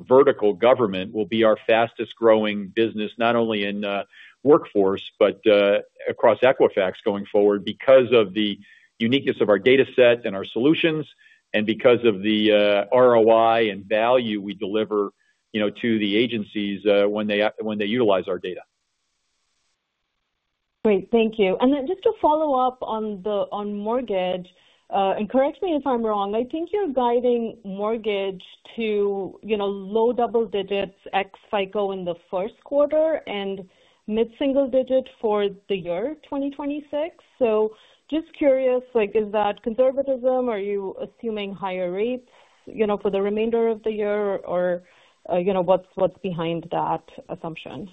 vertical will be our fastest growing business, not only in Workforce, but across Equifax going forward, because of the uniqueness of our data set and our solutions, and because of the ROI and value we deliver, you know, to the agencies, when they utilize our data. Great. Thank you. And then just to follow up on the mortgage, and correct me if I'm wrong, I think you're guiding mortgage to, you know, low double digits ex FICO in the first quarter and mid-single digit for the year 2026. So just curious, like, is that conservatism? Are you assuming higher rates, you know, for the remainder of the year? Or, you know, what's behind that assumption? It's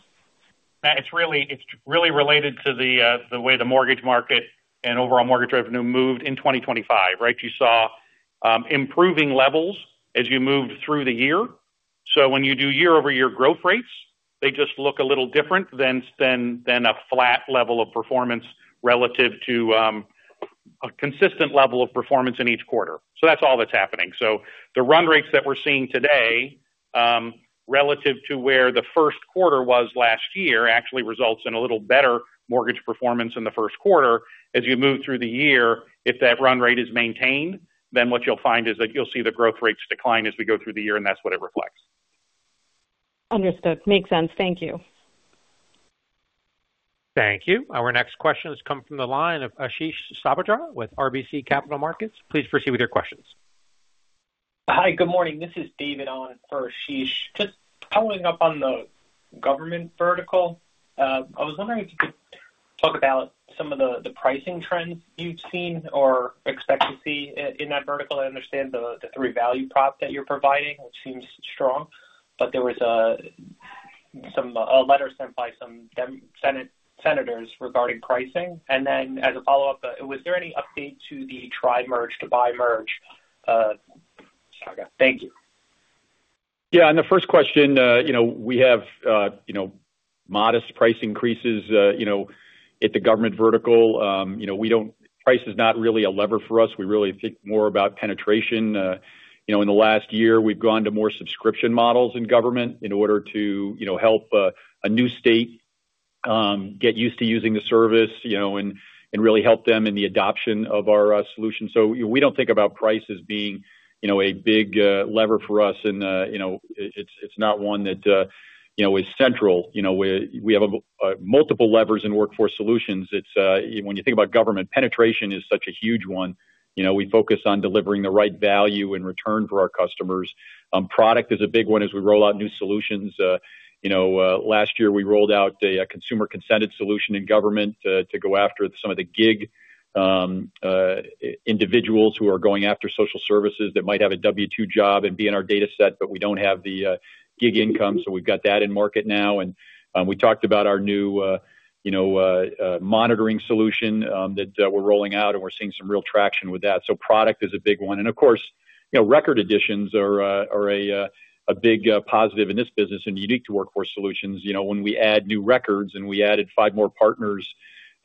really, it's really related to the, the way the mortgage market and overall mortgage revenue moved in 2025, right? You saw, improving levels as you moved through the year. So when you do year-over-year growth rates, they just look a little different than a flat level of performance relative to, a consistent level of performance in each quarter. So that's all that's happening. So the run rates that we're seeing today, relative to where the first quarter was last year, actually results in a little better mortgage performance in the first quarter. As you move through the year, if that run rate is maintained, then what you'll find is that you'll see the growth rates decline as we go through the year, and that's what it reflects. Understood. Makes sense. Thank you. Thank you. Our next question has come from the line of Ashish Sabadra with RBC Capital Markets. Please proceed with your questions. Hi, good morning. This is David on for Ashish. Just following up on the government vertical, I was wondering if you could talk about some of the pricing trends you've seen or expect to see in that vertical. I understand the three value props that you're providing, which seems strong, but there was some letter sent by some Dem senators regarding pricing. And then, as a follow-up, was there any update to the tri-merge to bi-merge saga? Thank you. Yeah, on the first question, you know, we have, you know, modest price increases, you know, at the government vertical. You know, we don't. Price is not really a lever for us. We really think more about penetration. You know, in the last year, we've gone to more subscription models in government in order to, you know, help, a new state, get used to using the service, you know, and, and really help them in the adoption of our, solution. So we don't think about price as being, you know, a big, lever for us, and, you know, it's, it's not one that, you know, is central. You know, we, we have, multiple levers in Workforce Solutions. It's, when you think about government, penetration is such a huge one. You know, we focus on delivering the right value in return for our customers. Product is a big one as we roll out new solutions. You know, last year, we rolled out a consumer consented solution in government, to go after some of the gig individuals who are going after social services that might have a W-2 job and be in our data set, but we don't have the gig income, so we've got that in market now. We talked about our new, you know, monitoring solution that we're rolling out, and we're seeing some real traction with that. So product is a big one. And of course, you know, record additions are a big positive in this business and unique to Workforce Solutions. You know, when we add new records, and we added five more partners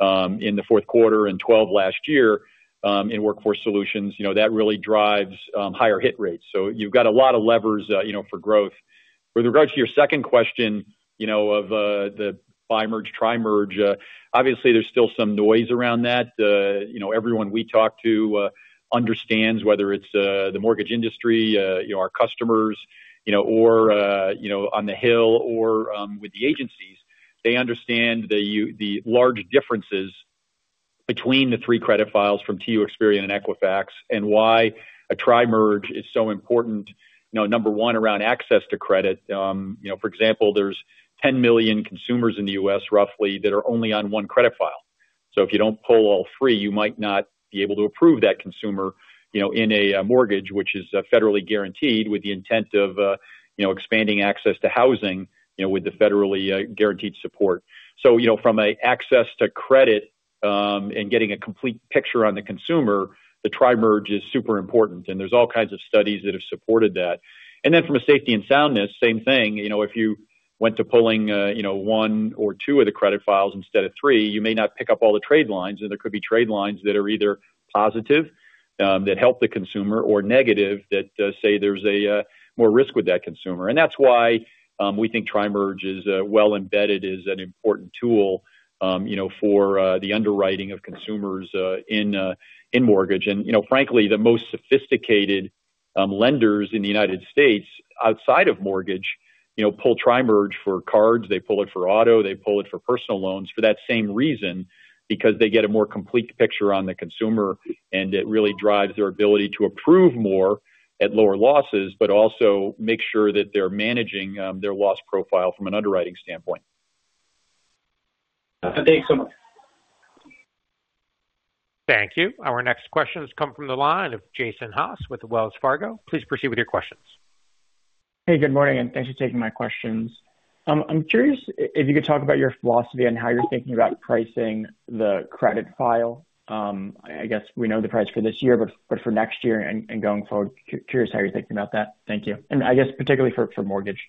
in the fourth quarter and 12 last year, in Workforce Solutions, you know, that really drives higher hit rates. So you've got a lot of levers, you know, for growth. With regards to your second question, you know, of the Bi-merge, Tri-merge, obviously, there's still some noise around that. You know, everyone we talk to understands, whether it's the mortgage industry, you know, our customers, you know, or you know, on the Hill or with the agencies, they understand the large differences between the three credit files from TU, Experian, and Equifax, and why a Tri-merge is so important. You know, number one, around access to credit. You know, for example, there's 10 million consumers in the U.S., roughly, that are only on one credit file. So if you don't pull all three, you might not be able to approve that consumer, you know, in a mortgage, which is federally guaranteed, with the intent of you know, expanding access to housing, you know, with the federally guaranteed support. So, you know, from an access to credit and getting a complete picture on the consumer, the tri-merge is super important, and there's all kinds of studies that have supported that. And then from a safety and soundness, same thing, you know, if you went to pulling, you know, one or two of the credit files instead of three, you may not pick up all the trade lines, and there could be trade lines that are either positive, that help the consumer, or negative, that say there's a more risk with that consumer. And that's why we think tri-merge is well embedded, is an important tool, you know, for the underwriting of consumers in mortgage. You know, frankly, the most sophisticated lenders in the United States, outside of mortgage, you know, pull tri-merge for cards, they pull it for auto, they pull it for personal loans for that same reason, because they get a more complete picture on the consumer, and it really drives their ability to approve more at lower losses, but also make sure that they're managing their loss profile from an underwriting standpoint. Thanks so much. Thank you. Our next question has come from the line of Jason Haas with Wells Fargo. Please proceed with your questions. Hey, good morning, and thanks for taking my questions. I'm curious if you could talk about your philosophy on how you're thinking about pricing the credit file. I guess we know the price for this year, but for next year and going forward, curious how you're thinking about that. Thank you. And I guess, particularly for mortgage.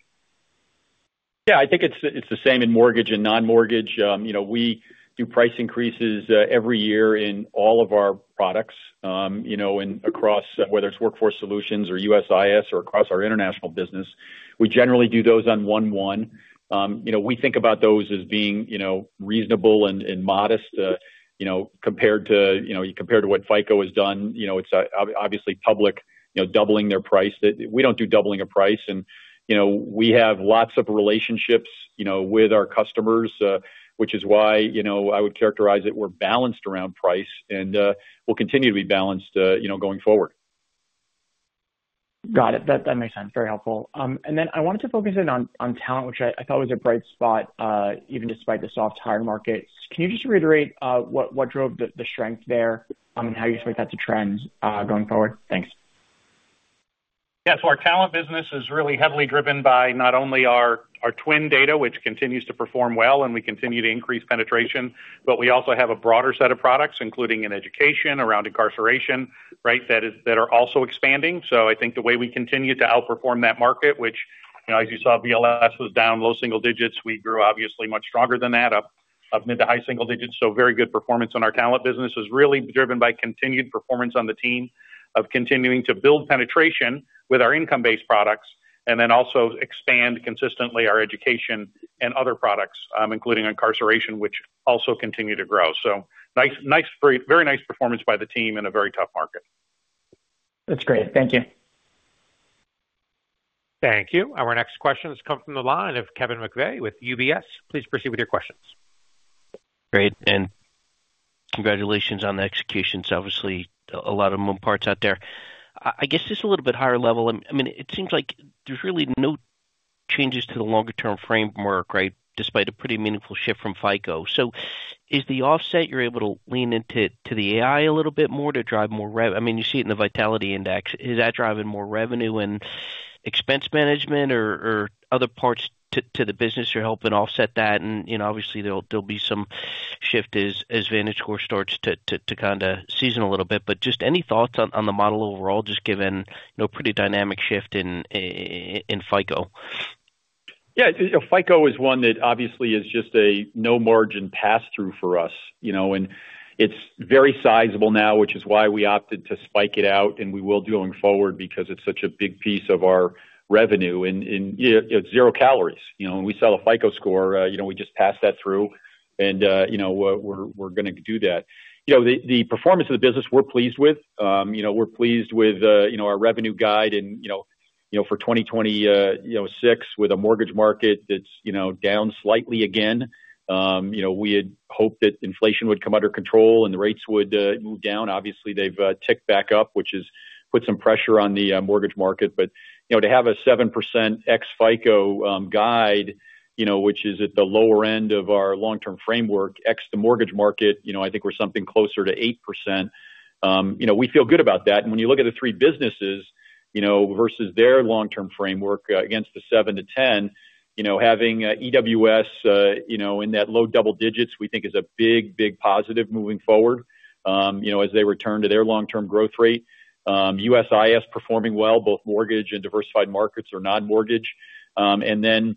Yeah, I think it's the same in mortgage and non-mortgage. You know, we do price increases every year in all of our products, you know, and across, whether it's Workforce Solutions or USIS or across our international business, we generally do those on 1-1. You know, we think about those as being reasonable and modest, you know, compared to what FICO has done, you know, it's obviously public, you know, doubling their price. That. We don't do doubling a price and, you know, we have lots of relationships, you know, with our customers, which is why, you know, I would characterize it, we're balanced around price, and we'll continue to be balanced, you know, going forward. Got it. That, that makes sense. Very helpful. And then I wanted to focus in on, on talent, which I, I thought was a bright spot, even despite the soft hire market. Can you just reiterate, what, what drove the, the strength there, and how you expect that to trend, going forward? Thanks. Yeah, so our talent business is really heavily driven by not only our, our twin data, which continues to perform well, and we continue to increase penetration, but we also have a broader set of products, including in education, around incarceration, right? That are also expanding. So I think the way we continue to outperform that market, which, you know, as you saw, BLS was down low single digits. We grew, obviously, much stronger than that, up, up mid- to high single digits. So very good performance on our talent business is really driven by continued performance on the team of continuing to build penetration with our income-based products, and then also expand consistently our education and other products, including incarceration, which also continue to grow. So nice, nice, very, very nice performance by the team in a very tough market. That's great. Thank you. Thank you. Our next question has come from the line of Kevin McVeigh with UBS. Please proceed with your questions. Great, and congratulations on the execution. So obviously, a lot of moving parts out there. I, I guess just a little bit higher level, I mean, it seems like there's really no changes to the longer-term framework, right? Despite a pretty meaningful shift from FICO. So is the offset you're able to lean into, to the AI a little bit more to drive more re-- I mean, you see it in the Vitality Index. Is that driving more revenue and expense management or, or other parts to, to the business you're helping offset that? And, you know, obviously, there'll, there'll be some shift as, as VantageScore starts to, to, to kinda season a little bit. But just any thoughts on, on the model overall, just given, you know, pretty dynamic shift in, i-in FICO?... Yeah, FICO is one that obviously is just a no margin pass through for us, you know, and it's very sizable now, which is why we opted to spike it out, and we will do going forward because it's such a big piece of our revenue and, you know, zero calories. You know, when we sell a FICO score, you know, we just pass that through and, you know, we're gonna do that. You know, the performance of the business, we're pleased with. You know, we're pleased with, you know, our revenue guide and, you know, for 2026, with a mortgage market that's, you know, down slightly again. You know, we had hoped that inflation would come under control and the rates would move down. Obviously, they've ticked back up, which has put some pressure on the mortgage market. But, you know, to have a 7% ex FICO guide, you know, which is at the lower end of our long-term framework, ex the mortgage market, you know, I think we're something closer to 8%. You know, we feel good about that. And when you look at the three businesses, you know, versus their long-term framework against the 7%-10%, you know, having EWS, you know, in that low double digits, we think is a big, big positive moving forward, you know, as they return to their long-term growth rate. USIS performing well, both mortgage and diversified markets or non-mortgage, and then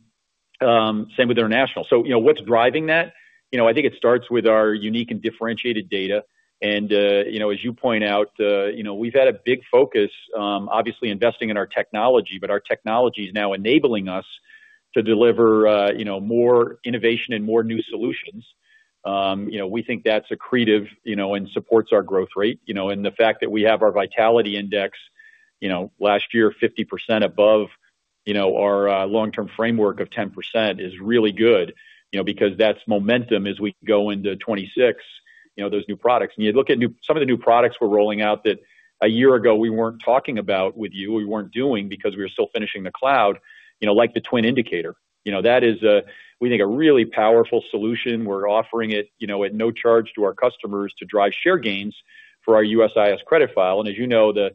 same with international. So, you know, what's driving that? You know, I think it starts with our unique and differentiated data, and, you know, as you point out, you know, we've had a big focus, obviously investing in our technology, but our technology is now enabling us to deliver, you know, more innovation and more new solutions. You know, we think that's accretive, you know, and supports our growth rate, you know, and the fact that we have our Vitality Index, you know, last year, 50% above, you know, our, long-term framework of 10% is really good. You know, because that's momentum as we go into 2026, you know, those new products. And you look at new- some of the new products we're rolling out that a year ago, we weren't talking about with you, we weren't doing because we were still finishing the cloud, you know, like the Twin Indicator. You know, that is, we think, a really powerful solution. We're offering it, you know, at no charge to our customers to drive share gains for our USIS credit file. And as you know, the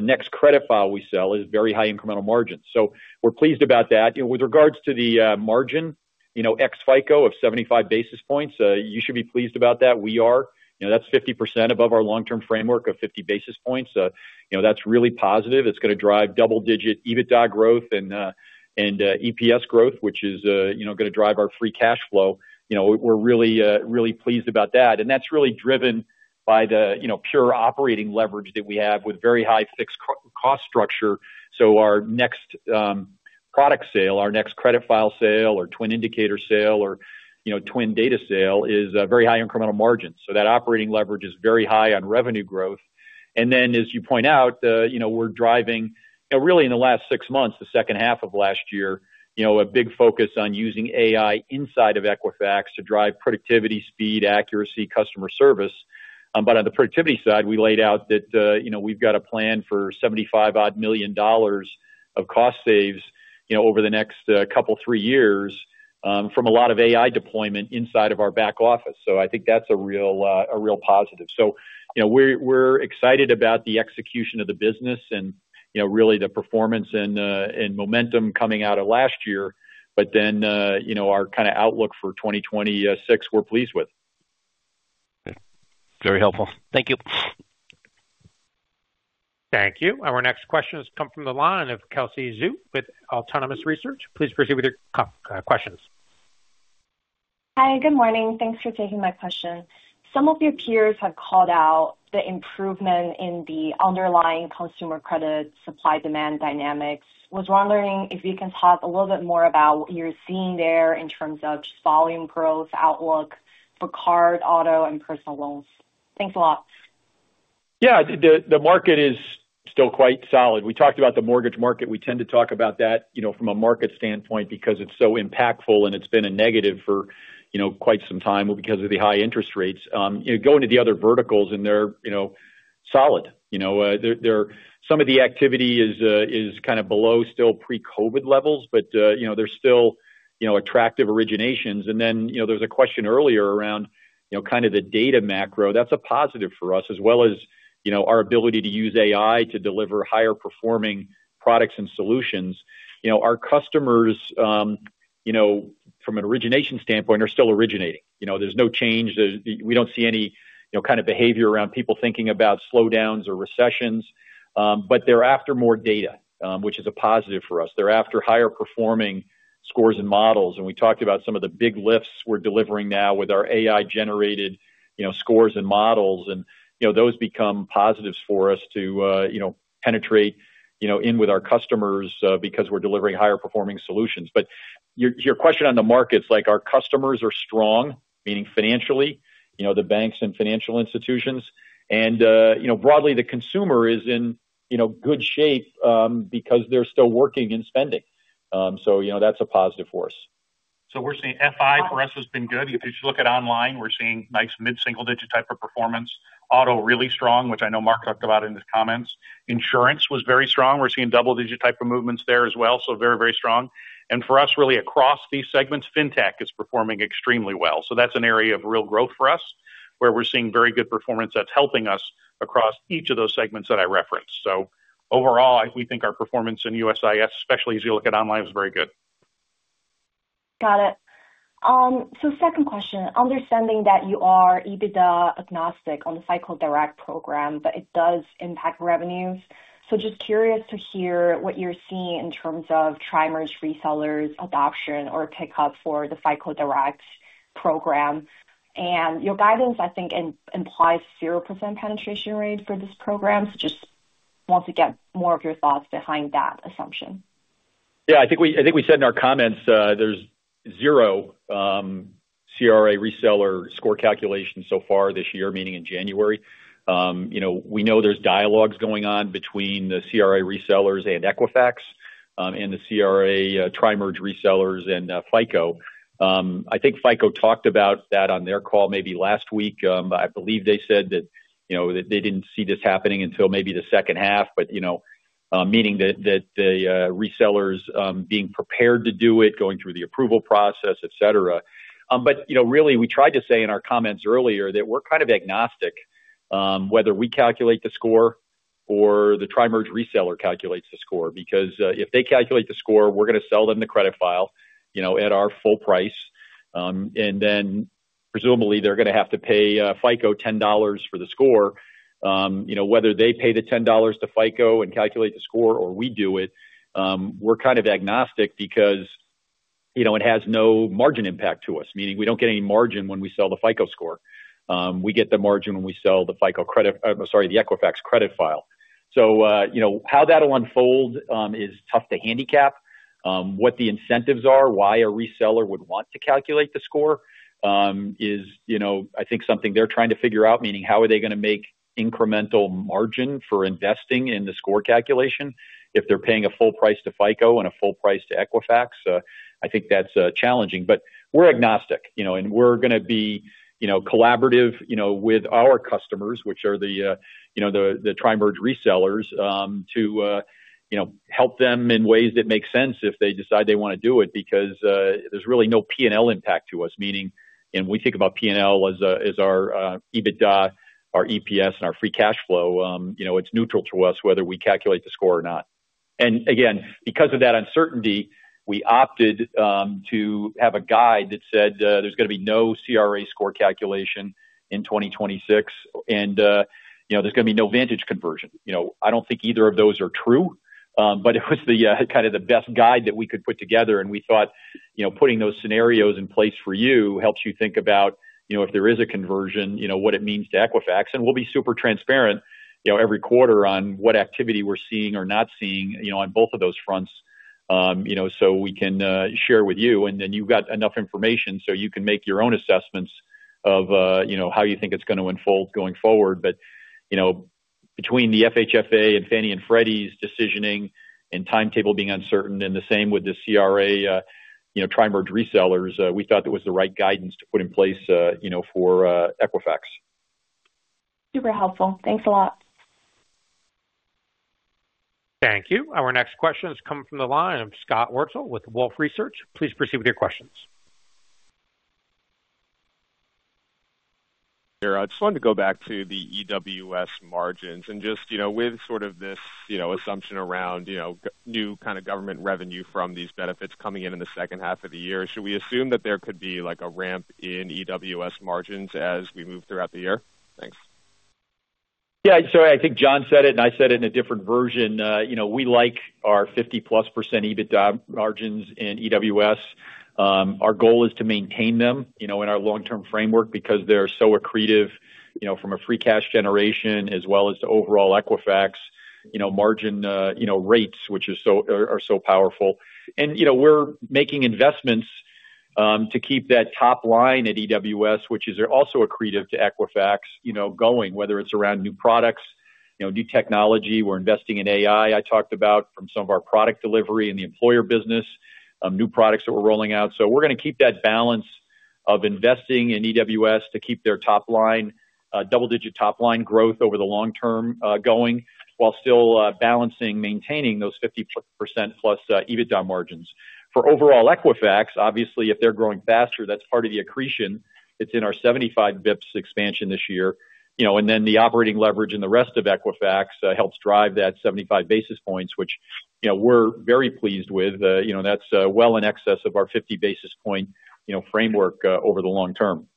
next credit file we sell is very high incremental margins. So we're pleased about that. With regards to the margin, you know, ex FICO of 75 basis points, you should be pleased about that. We are. You know, that's 50% above our long-term framework of 50 basis points. You know, that's really positive. It's gonna drive double-digit EBITDA growth and EPS growth, which is, you know, gonna drive our free cash flow. You know, we're really pleased about that. And that's really driven by the, you know, pure operating leverage that we have with very high fixed cost structure. So our next product sale, our next credit file sale or twin indicator sale or, you know, twin data sale is very high incremental margins. So that operating leverage is very high on revenue growth. And then, as you point out, you know, we're driving... Really, in the last six months, the second half of last year, you know, a big focus on using AI inside of Equifax to drive productivity, speed, accuracy, customer service. But on the productivity side, we laid out that, you know, we've got a plan for $75-odd million of cost saves, you know, over the next couple, three years, from a lot of AI deployment inside of our back office. So I think that's a real, a real positive. So, you know, we're excited about the execution of the business and, you know, really the performance and momentum coming out of last year. But then, you know, our kinda outlook for 2026, we're pleased with. Very helpful. Thank you. Thank you. Our next question has come from the line of Kelsey Zhu with Autonomous Research. Please proceed with your questions. Hi, good morning. Thanks for taking my question. Some of your peers have called out the improvement in the underlying consumer credit supply-demand dynamics. Was wondering if you can talk a little bit more about what you're seeing there in terms of volume growth, outlook for card, auto, and personal loans? Thanks a lot. Yeah, the market is still quite solid. We talked about the mortgage market. We tend to talk about that, you know, from a market standpoint because it's so impactful and it's been a negative for, you know, quite some time because of the high interest rates. You go into the other verticals and they're, you know, solid. You know, they're some of the activity is kind of below still pre-COVID levels, but, you know, they're still, you know, attractive originations. And then, you know, there was a question earlier around, you know, kind of the data macro. That's a positive for us, as well as, you know, our ability to use AI to deliver higher performing products and solutions. You know, our customers, you know, from an origination standpoint, are still originating. You know, there's no change. We don't see any, you know, kind of behavior around people thinking about slowdowns or recessions, but they're after more data, which is a positive for us. They're after higher performing scores and models, and we talked about some of the big lifts we're delivering now with our AI-generated, you know, scores and models, and, you know, those become positives for us to, you know, penetrate, you know, in with our customers, because we're delivering higher performing solutions. But your, your question on the markets, like, our customers are strong, meaning financially, you know, the banks and financial institutions, and, you know, broadly, the consumer is in, you know, good shape, because they're still working and spending. So, you know, that's a positive force. So we're seeing FI for us has been good. If you look at online, we're seeing nice mid-single-digit type of performance. Auto, really strong, which I know Mark talked about in his comments. Insurance was very strong. We're seeing double-digit type of movements there as well, so very, very strong. And for us, really across these segments, fintech is performing extremely well. So that's an area of real growth for us, where we're seeing very good performance that's helping us across each of those segments that I referenced. So overall, I think we think our performance in USIS, especially as you look at online, is very good.... Got it. So second question, understanding that you are EBITDA agnostic on the FICO Direct program, but it does impact revenues. So just curious to hear what you're seeing in terms of tri-merge resellers adoption or pickup for the FICO Direct program. And your guidance, I think, implies 0% penetration rate for this program. So just want to get more of your thoughts behind that assumption. Yeah, I think we said in our comments, there's zero CRA reseller score calculations so far this year, meaning in January. You know, we know there's dialogues going on between the CRA resellers and Equifax, and the CRA tri-merge resellers and FICO. I think FICO talked about that on their call maybe last week. I believe they said that, you know, that they didn't see this happening until maybe the second half, but, you know, meaning that, that the resellers, being prepared to do it, going through the approval process, et cetera. But, you know, really, we tried to say in our comments earlier that we're kind of agnostic, whether we calculate the score or the tri-merge reseller calculates the score, because, if they calculate the score, we're going to sell them the credit file, you know, at our full price. And then presumably, they're going to have to pay FICO $10 for the score. You know, whether they pay the $10 to FICO and calculate the score or we do it, we're kind of agnostic because, you know, it has no margin impact to us, meaning we don't get any margin when we sell the FICO score. We get the margin when we sell the Equifax credit file. So, you know, how that'll unfold is tough to handicap. What the incentives are, why a reseller would want to calculate the score, is, you know, I think something they're trying to figure out, meaning how are they going to make incremental margin for investing in the score calculation if they're paying a full price to FICO and a full price to Equifax? I think that's challenging, but we're agnostic, you know, and we're going to be, you know, collaborative, you know, with our customers, which are the, you know, the Tri-merge resellers, to, you know, help them in ways that make sense if they decide they want to do it, because there's really no P&L impact to us. Meaning, and we think about P&L as, as our, EBITDA, our EPS, and our free cash flow. You know, it's neutral to us whether we calculate the score or not. And again, because of that uncertainty, we opted to have a guide that said, there's going to be no CRA score calculation in 2026, and you know, there's going to be no Vantage conversion. You know, I don't think either of those are true, but it was the kind of the best guide that we could put together, and we thought, you know, putting those scenarios in place for you helps you think about, you know, if there is a conversion, you know, what it means to Equifax. And we'll be super transparent, you know, every quarter on what activity we're seeing or not seeing, you know, on both of those fronts. You know, so we can share with you, and then you've got enough information so you can make your own assessments of, you know, how you think it's going to unfold going forward. But, you know, between the FHFA and Fannie and Freddie's decisioning and timetable being uncertain, and the same with the CRA, you know, tri-merge resellers, we thought that was the right guidance to put in place, you know, for Equifax. Super helpful. Thanks a lot. Thank you. Our next question is coming from the line of Scott Wurtzel with Wolfe Research. Please proceed with your questions. Sure. I just wanted to go back to the EWS margins and just, you know, with sort of this, you know, assumption around, you know, new kind of government revenue from these benefits coming in in the second half of the year, should we assume that there could be, like, a ramp in EWS margins as we move throughout the year? Thanks. Yeah, so I think John said it, and I said it in a different version. You know, we like our 50%+ EBITDA margins in EWS. Our goal is to maintain them, you know, in our long-term framework because they're so accretive, you know, from a free cash generation as well as to overall Equifax, you know, margin rates, which are so powerful. And, you know, we're making investments to keep that top line at EWS, which is also accretive to Equifax, you know, going, whether it's around new products, you know, new technology. We're investing in AI, I talked about, from some of our product delivery in the employer business, new products that we're rolling out. So we're going to keep that balance of investing in EWS to keep their top line, double-digit top line growth over the long term, going, while still, balancing, maintaining those 50% plus, EBITDA margins. For overall Equifax, obviously, if they're growing faster, that's part of the accretion. It's in our 75 basis points expansion this year, you know, and then the operating leverage in the rest of Equifax, helps drive that 75 basis points, which, you know, we're very pleased with. You know, that's, well in excess of our 50 basis points, you know, framework, over the long term.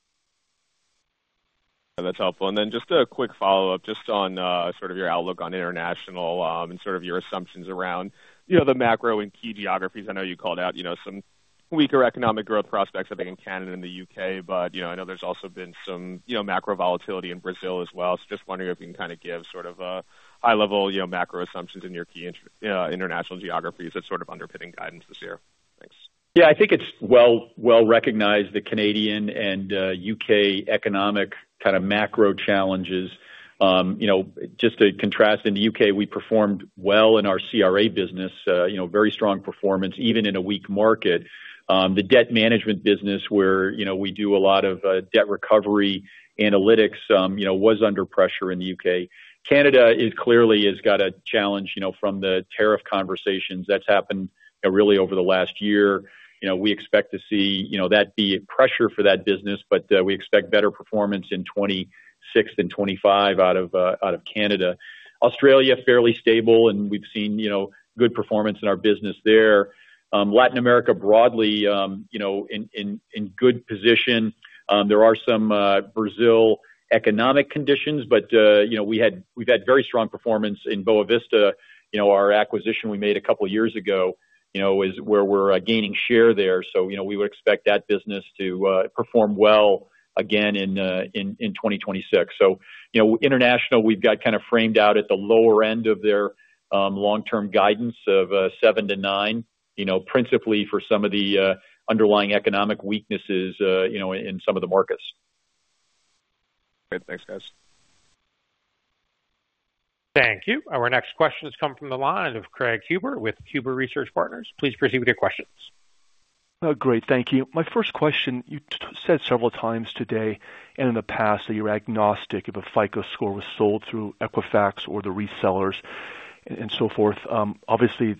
That's helpful. And then just a quick follow-up, just on, sort of your outlook on international, and sort of your assumptions around, you know, the macro and key geographies. I know you called out, you know, some weaker economic growth prospects, I think, in Canada and the UK, but, you know, I know there's also been some, you know, macro volatility in Brazil as well. So just wondering if you can kind of give sort of a high level, you know, macro assumptions in your key, international geographies that's sort of underpinning guidance this year. Thanks. Yeah, I think it's well, well recognized, the Canadian and U.K. economic kind of macro challenges. You know, just to contrast, in the U.K., we performed well in our CRA business, you know, very strong performance, even in a weak market. The debt management business, where, you know, we do a lot of debt recovery analytics, you know, was under pressure in the U.K. Canada is clearly has got a challenge, you know, from the tariff conversations that's happened, really over the last year. You know, we expect to see, you know, that be a pressure for that business, but we expect better performance in 2026 than 2025 out of out of Canada. Australia, fairly stable, and we've seen, you know, good performance in our business there. Latin America, broadly, you know, in good position. There are some Brazil economic conditions, but you know, we've had very strong performance in Boa Vista. You know, our acquisition we made a couple of years ago, you know, is where we're gaining share there. So, you know, we would expect that business to perform well again in 2026. So, you know, international, we've got kind of framed out at the lower end of their long-term guidance of 7-9, you know, principally for some of the underlying economic weaknesses, you know, in some of the markets. Great. Thanks, guys. Thank you. Our next question is coming from the line of Craig Huber with Huber Research Partners. Please proceed with your questions. Great, thank you. My first question, you said several times today and in the past, that you're agnostic if a FICO score was sold through Equifax or the resellers and so forth. Obviously,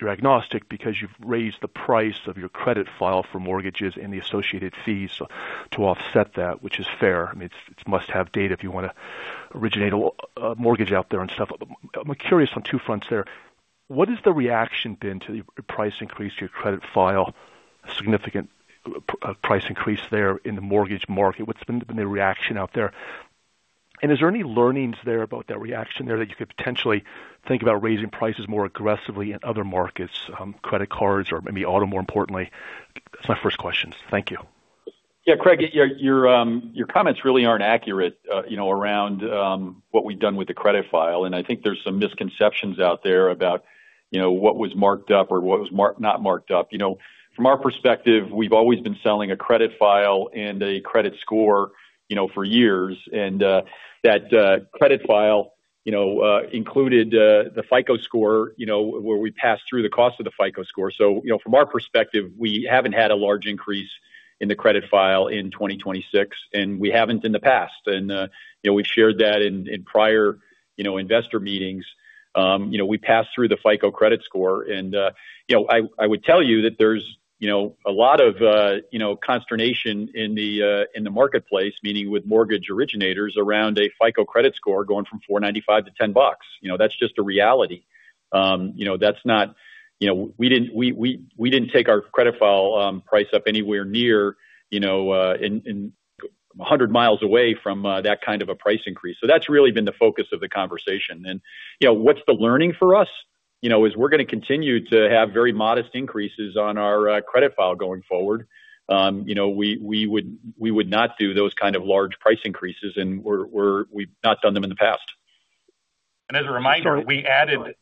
you're agnostic because you've raised the price of your credit file for mortgages and the associated fees to offset that, which is fair. I mean, it's must-have data if you wanna originate a mortgage out there and stuff. I'm curious on two fronts there: What has the reaction been to the price increase to your credit file? A significant price increase there in the mortgage market. What's been the reaction out there? And is there any learnings there about that reaction there, that you could potentially think about raising prices more aggressively in other markets, credit cards or maybe auto, more importantly? That's my first question. Thank you. Yeah, Craig, your comments really aren't accurate, you know, around what we've done with the credit file, and I think there's some misconceptions out there about, you know, what was marked up or what was not marked up. You know, from our perspective, we've always been selling a credit file and a credit score, you know, for years. And that credit file, you know, included the FICO score, you know, where we passed through the cost of the FICO score. So, you know, from our perspective, we haven't had a large increase in the credit file in 2026, and we haven't in the past. And, you know, we've shared that in prior investor meetings. You know, we passed through the FICO credit score, and you know, I would tell you that there's you know, a lot of consternation in the marketplace, meaning with mortgage originators around a FICO credit score going from $4.95 to $10. You know, that's just a reality. You know, that's not... You know, we didn't take our credit file price up anywhere near you know, in a hundred miles away from that kind of a price increase. So that's really been the focus of the conversation. And you know, what's the learning for us? You know, is we're gonna continue to have very modest increases on our credit file going forward. You know, we would not do those kind of large price increases, and we're, we've not done them in the past. As a reminder, we added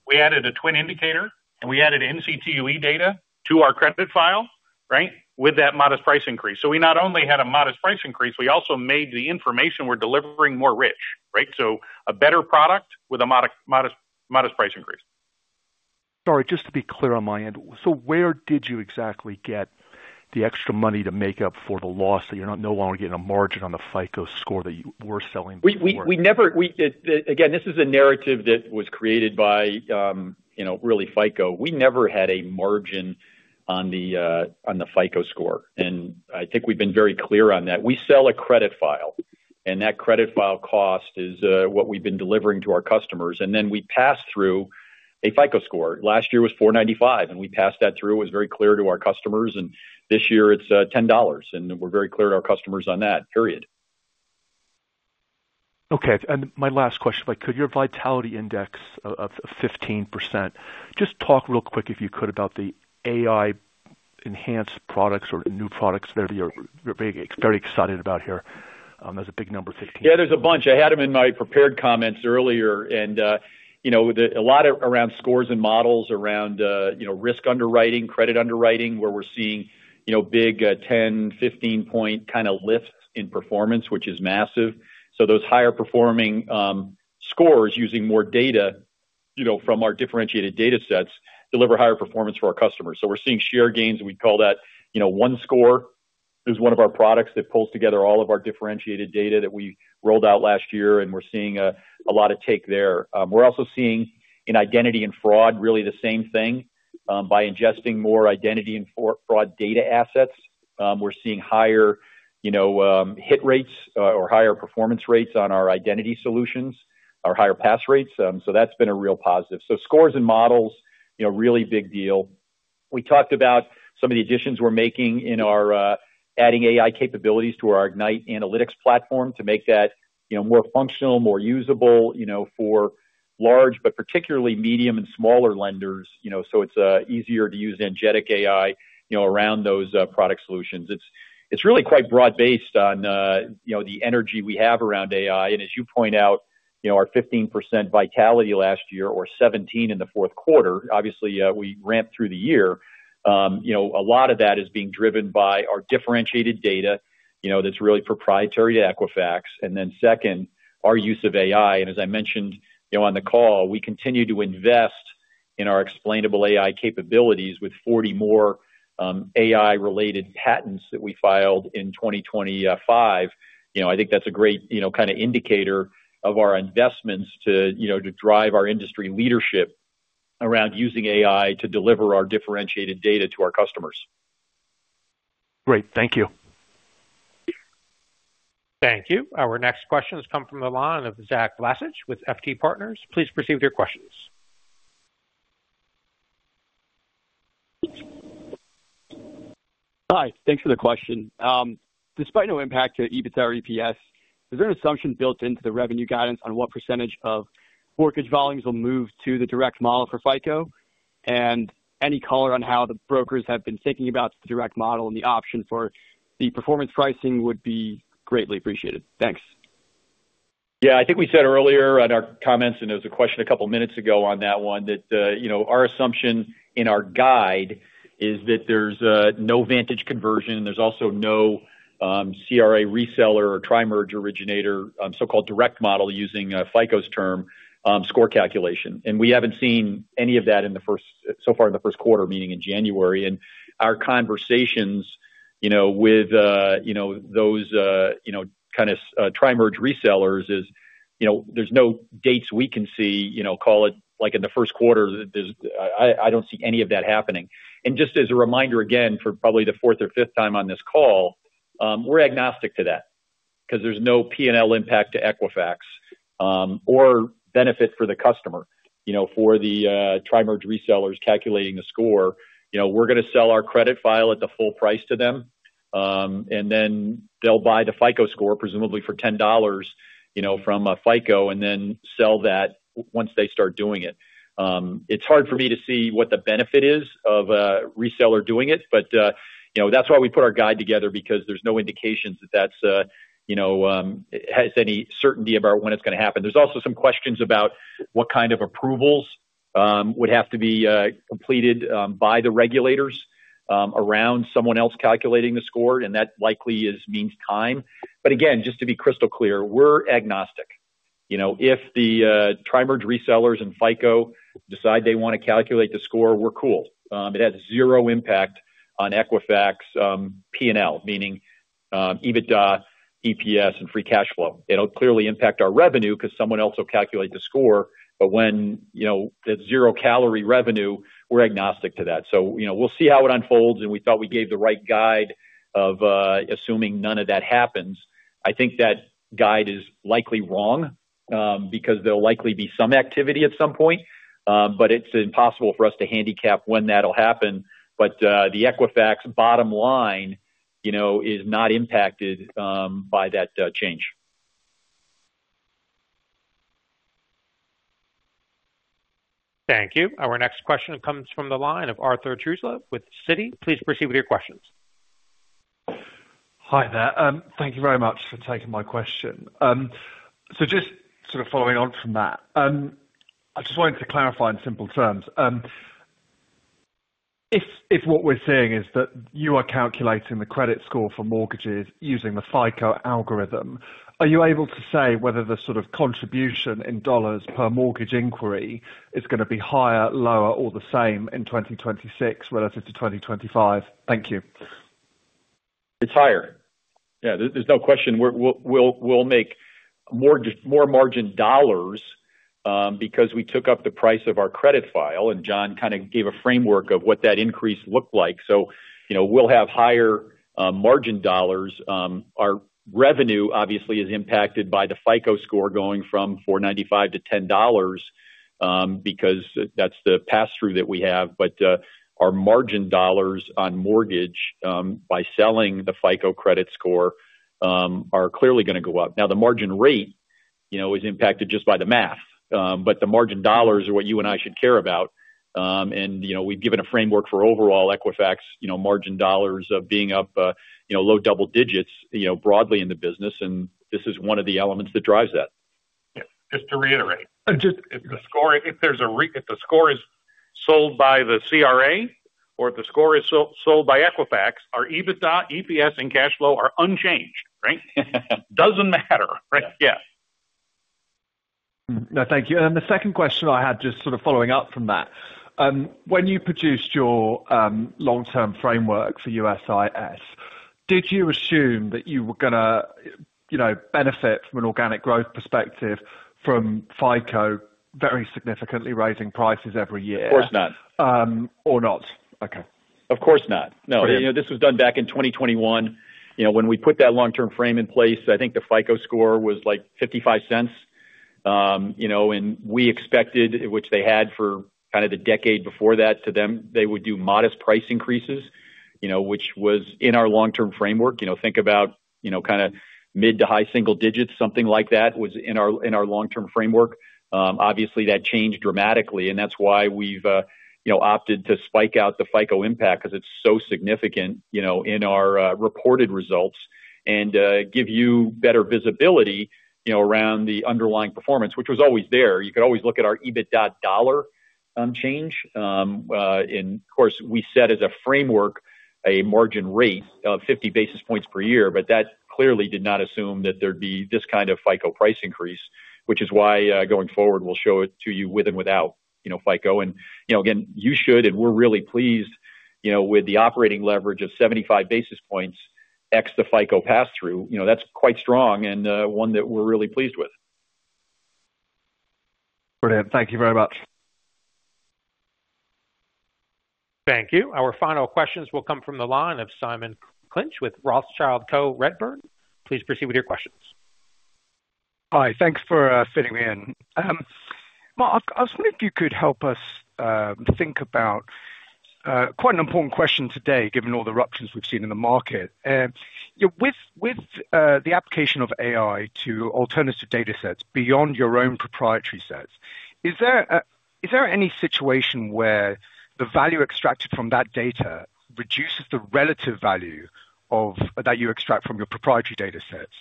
a twin indicator, and we added NCTUE data to our credit file, right? With that modest price increase. So we not only had a modest price increase, we also made the information we're delivering more rich, right? So a better product with a modest, modest, modest price increase. Sorry, just to be clear on my end: So where did you exactly get the extra money to make up for the loss, that you're no longer getting a margin on the FICO score that you were selling before? We never... Again, this is a narrative that was created by, you know, really, FICO. We never had a margin on the on the FICO score, and I think we've been very clear on that. We sell a credit file, and that credit file cost is what we've been delivering to our customers, and then we pass through a FICO score. Last year was $4.95, and we passed that through. It was very clear to our customers, and this year it's $10, and we're very clear to our customers on that, period. Okay, and my last question, could your Vitality Index of 15%, just talk real quick, if you could, about the AI-enhanced products or new products that you're very, very excited about here. That's a big number, 15. Yeah, there's a bunch. I had them in my prepared comments earlier, and you know, a lot around scores and models, around you know, risk underwriting, credit underwriting, where we're seeing you know, big 10-15-point kinda lift in performance, which is massive. So those higher performing scores, using more data you know, from our differentiated data sets, deliver higher performance for our customers. So we're seeing share gains, we call that you know, OneScore. It was one of our products that pulls together all of our differentiated data that we rolled out last year, and we're seeing a lot of take there. We're also seeing in identity and fraud, really the same thing. By ingesting more identity and fraud data assets, we're seeing higher, you know, hit rates, or higher performance rates on our identity solutions, or higher pass rates. So that's been a real positive. So scores and models, you know, really big deal. We talked about some of the additions we're making in our adding AI capabilities to our Ignite analytics platform to make that, you know, more functional, more usable, you know, for large, but particularly medium and smaller lenders, you know, so it's easier to use Agentic AI, you know, around those product solutions. It's really quite broad-based on, you know, the energy we have around AI. And as you point out, you know, our 15% vitality last year, or 17 in the fourth quarter, obviously, we ramped through the year. You know, a lot of that is being driven by our differentiated data, you know, that's really proprietary to Equifax, and then second, our use of AI. And as I mentioned, you know, on the call, we continue to invest in our explainable AI capabilities with 40 more AI-related patents that we filed in 2025. You know, I think that's a great, you know, kind of indicator of our investments to, you know, to drive our industry leadership around using AI to deliver our differentiated data to our customers. Great. Thank you. Thank you. Our next question has come from the line of Zach Lasich with FT Partners. Please proceed with your questions. Hi, thanks for the question. Despite no impact to EBITDA or EPS, is there an assumption built into the revenue guidance on what percentage of mortgage volumes will move to the direct model for FICO? And any color on how the brokers have been thinking about the direct model and the option for the performance pricing would be greatly appreciated. Thanks. Yeah, I think we said earlier in our comments, and there was a question a couple of minutes ago on that one, that you know our assumption in our guide is that there's no Vantage conversion. There's also no CRA reseller or tri-merge originator, so-called direct model using FICO's term, score calculation. And we haven't seen any of that so far in the first quarter, meeting in January. And our conversations you know with you know those you know kind of tri-merge resellers is you know there's no dates we can see you know call it like in the first quarter, there's... I don't see any of that happening. Just as a reminder, again, for probably the fourth or fifth time on this call, we're agnostic to that because there's no P&L impact to Equifax, or benefit for the customer. You know, for the Tri-merge resellers calculating the score, you know, we're going to sell our credit file at the full price to them, and then they'll buy the FICO score, presumably for $10, you know, from FICO, and then sell that once they start doing it. It's hard for me to see what the benefit is of a reseller doing it, but you know, that's why we put our guide together, because there's no indications that that's you know has any certainty about when it's going to happen. There's also some questions about what kind of approvals would have to be completed by the regulators around someone else calculating the score, and that likely means time. But again, just to be crystal clear, we're agnostic. You know, if the tri-merge resellers and FICO decide they want to calculate the score, we're cool. It has zero impact on Equifax P&L, meaning EBITDA, EPS, and free cash flow. It'll clearly impact our revenue because someone else will calculate the score, but when, you know, it's zero-calorie revenue, we're agnostic to that. So, you know, we'll see how it unfolds, and we thought we gave the right guide of assuming none of that happens. I think that guide is likely wrong, because there'll likely be some activity at some point, but it's impossible for us to handicap when that'll happen. But, the Equifax bottom line, you know, is not impacted by that change. Thank you. Our next question comes from the line of Arthur Truslove with Citi. Please proceed with your questions. Hi there. Thank you very much for taking my question. So just sort of following on from that, I just wanted to clarify in simple terms, if what we're seeing is that you are calculating the credit score for mortgages using the FICO algorithm, are you able to say whether the sort of contribution in $ per mortgage inquiry is going to be higher, lower, or the same in 2026 relative to 2025? Thank you. It's higher. Yeah, there's no question we'll make mortgage more margin dollars, because we took up the price of our credit file, and John kind of gave a framework of what that increase looked like. So, you know, we'll have higher margin dollars. Our revenue, obviously, is impacted by the FICO score going from $495 to $10, because that's the pass-through that we have. But, our margin dollars on mortgage, by selling the FICO credit score, are clearly going to go up. Now, the margin rate, you know, is impacted just by the math, but the margin dollars are what you and I should care about. You know, we've given a framework for overall Equifax, you know, margin dollars of being up, you know, low double digits, you know, broadly in the business, and this is one of the elements that drives that. Yeah. Just to reiterate, just if the score is sold by the CRA or if the score is sold by Equifax, our EBITDA, EPS, and cash flow are unchanged, right? Doesn't matter, right? Yeah. No, thank you. And the second question I had, just sort of following up from that. When you produced your long-term framework for USIS, did you assume that you were going to, you know, benefit from an organic growth perspective from FICO very significantly raising prices every year? Of course not. Or not? Okay. Of course not. No, you know, this was done back in 2021. You know, when we put that long-term frame in place, I think the FICO score was, like, $0.55. You know, and we expected, which they had for kind of the decade before that, to them, they would do modest price increases, you know, which was in our long-term framework. You know, think about, you know, kind of mid to high single digits, something like that, was in our, in our long-term framework. Obviously, that changed dramatically, and that's why we've, you know, opted to spike out the FICO impact because it's so significant, you know, in our, reported results and, give you better visibility, you know, around the underlying performance, which was always there. You could always look at our EBITDA dollar, change. and of course, we set as a framework a margin rate of 50 basis points per year, but that clearly did not assume that there'd be this kind of FICO price increase, which is why, going forward, we'll show it to you with and without, you know, FICO. And, you know, again, you should, and we're really pleased, you know, with the operating leverage of 75 basis points ex the FICO pass-through, you know, that's quite strong and, one that we're really pleased with. Brilliant. Thank you very much. Thank you. Our final questions will come from the line of Simon Clinch with Rothschild & Co Redburn. Please proceed with your questions. Hi, thanks for fitting me in. Mark, I was wondering if you could help us think about quite an important question today, given all the disruptions we've seen in the market. With the application of AI to alternative data sets beyond your own proprietary sets, is there any situation where the value extracted from that data reduces the relative value of... that you extract from your proprietary data sets,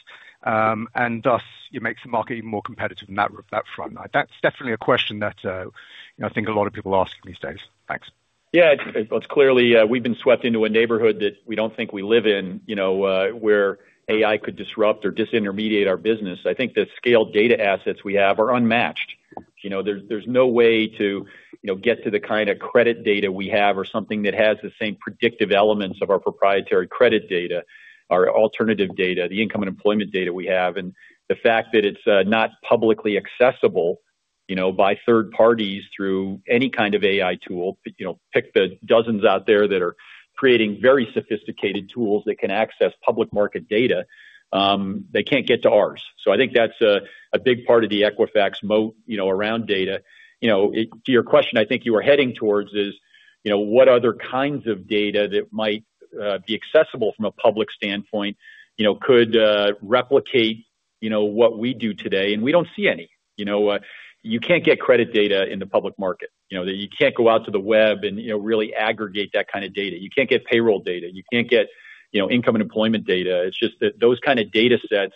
and thus it makes the market even more competitive in that front? That's definitely a question that, you know, I think a lot of people are asking these days. Thanks. Yeah, it's clearly, we've been swept into a neighborhood that we don't think we live in, you know, where AI could disrupt or disintermediate our business. I think the scaled data assets we have are unmatched. You know, there's no way to, you know, get to the kind of credit data we have or something that has the same predictive elements of our proprietary credit data, our alternative data, the income and employment data we have, and the fact that it's not publicly accessible, you know, by third parties through any kind of AI tool, you know, pick the dozens out there that are creating very sophisticated tools that can access public market data, they can't get to ours. So I think that's a big part of the Equifax moat, you know, around data. You know, it to your question, I think you were heading towards is, you know, what other kinds of data that might be accessible from a public standpoint, you know, could replicate, you know, what we do today? And we don't see any. You know, you can't get credit data in the public market. You know, that you can't go out to the web and, you know, really aggregate that kind of data. You can't get payroll data. You can't get, you know, income and employment data. It's just that those kind of data sets,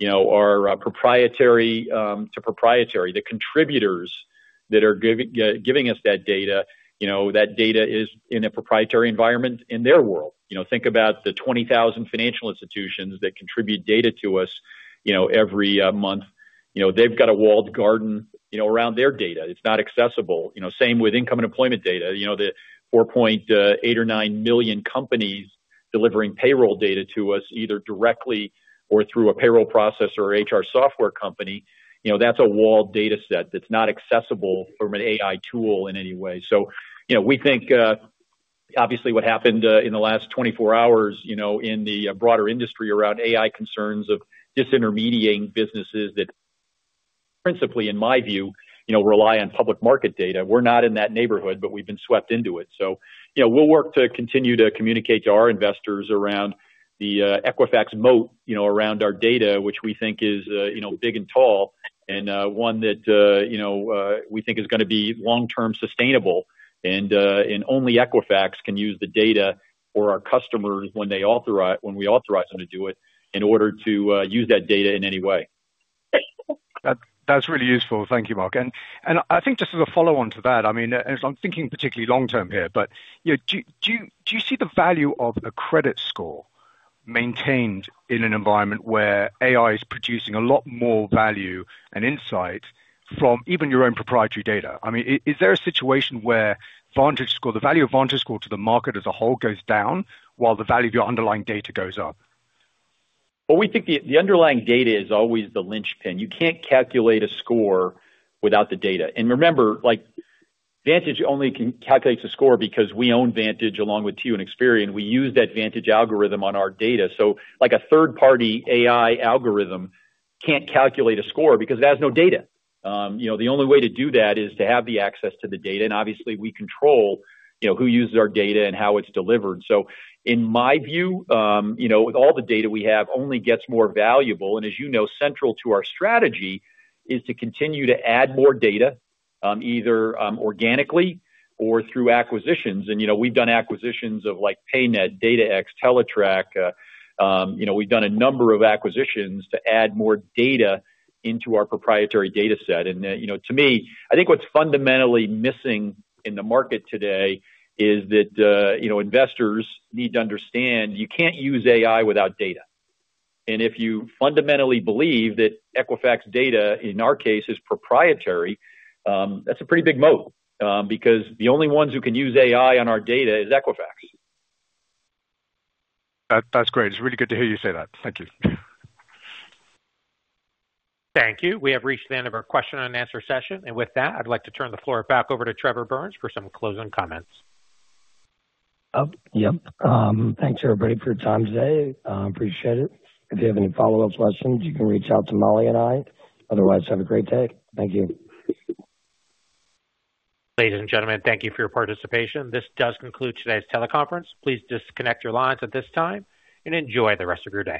you know, are proprietary to proprietary. The contributors that are giving us that data, you know, that data is in a proprietary environment in their world. You know, think about the 20,000 financial institutions that contribute data to us, you know, every month. You know, they've got a walled garden, you know, around their data. It's not accessible. You know, same with income and employment data. You know, the 4.8 or nine million companies delivering payroll data to us, either directly or through a payroll processor or HR software company, you know, that's a walled data set that's not accessible from an AI tool in any way. So, you know, we think, obviously, what happened in the last 24 hours, you know, in the broader industry around AI concerns of disintermediating businesses that principally, in my view, you know, rely on public market data. We're not in that neighborhood, but we've been swept into it. You know, we'll work to continue to communicate to our investors around the Equifax moat, you know, around our data, which we think is, you know, big and tall, and one that, you know, we think is gonna be long-term sustainable, and only Equifax can use the data for our customers when we authorize them to do it, in order to use that data in any way. That's really useful. Thank you, Mark. And I think just as a follow-on to that, I mean, as I'm thinking particularly long term here, but you know, do you see the value of a credit score maintained in an environment where AI is producing a lot more value and insight from even your own proprietary data? I mean, is there a situation where VantageScore, the value of VantageScore to the market as a whole goes down while the value of your underlying data goes up? Well, we think the underlying data is always the linchpin. You can't calculate a score without the data. And remember, like, Vantage only can calculates a score because we own Vantage, along with TU and Experian. We use that Vantage algorithm on our data. So like a third-party AI algorithm can't calculate a score because it has no data. You know, the only way to do that is to have the access to the data, and obviously, we control, you know, who uses our data and how it's delivered. So in my view, you know, with all the data we have only gets more valuable. And as you know, central to our strategy is to continue to add more data, either, organically or through acquisitions. And, you know, we've done acquisitions of, like, PayNet, DataX, Teletrack. You know, we've done a number of acquisitions to add more data into our proprietary data set. You know, to me, I think what's fundamentally missing in the market today is that, you know, investors need to understand you can't use AI without data. If you fundamentally believe that Equifax data, in our case, is proprietary, that's a pretty big moat, because the only ones who can use AI on our data is Equifax. That, that's great. It's really good to hear you say that. Thank you. Thank you. We have reached the end of our question and answer session, and with that, I'd like to turn the floor back over to Trevor Burns for some closing comments. Oh, yep. Thanks, everybody, for your time today. Appreciate it. If you have any follow-up questions, you can reach out to Molly and I. Otherwise, have a great day. Thank you. Ladies and gentlemen, thank you for your participation. This does conclude today's teleconference. Please disconnect your lines at this time and enjoy the rest of your day.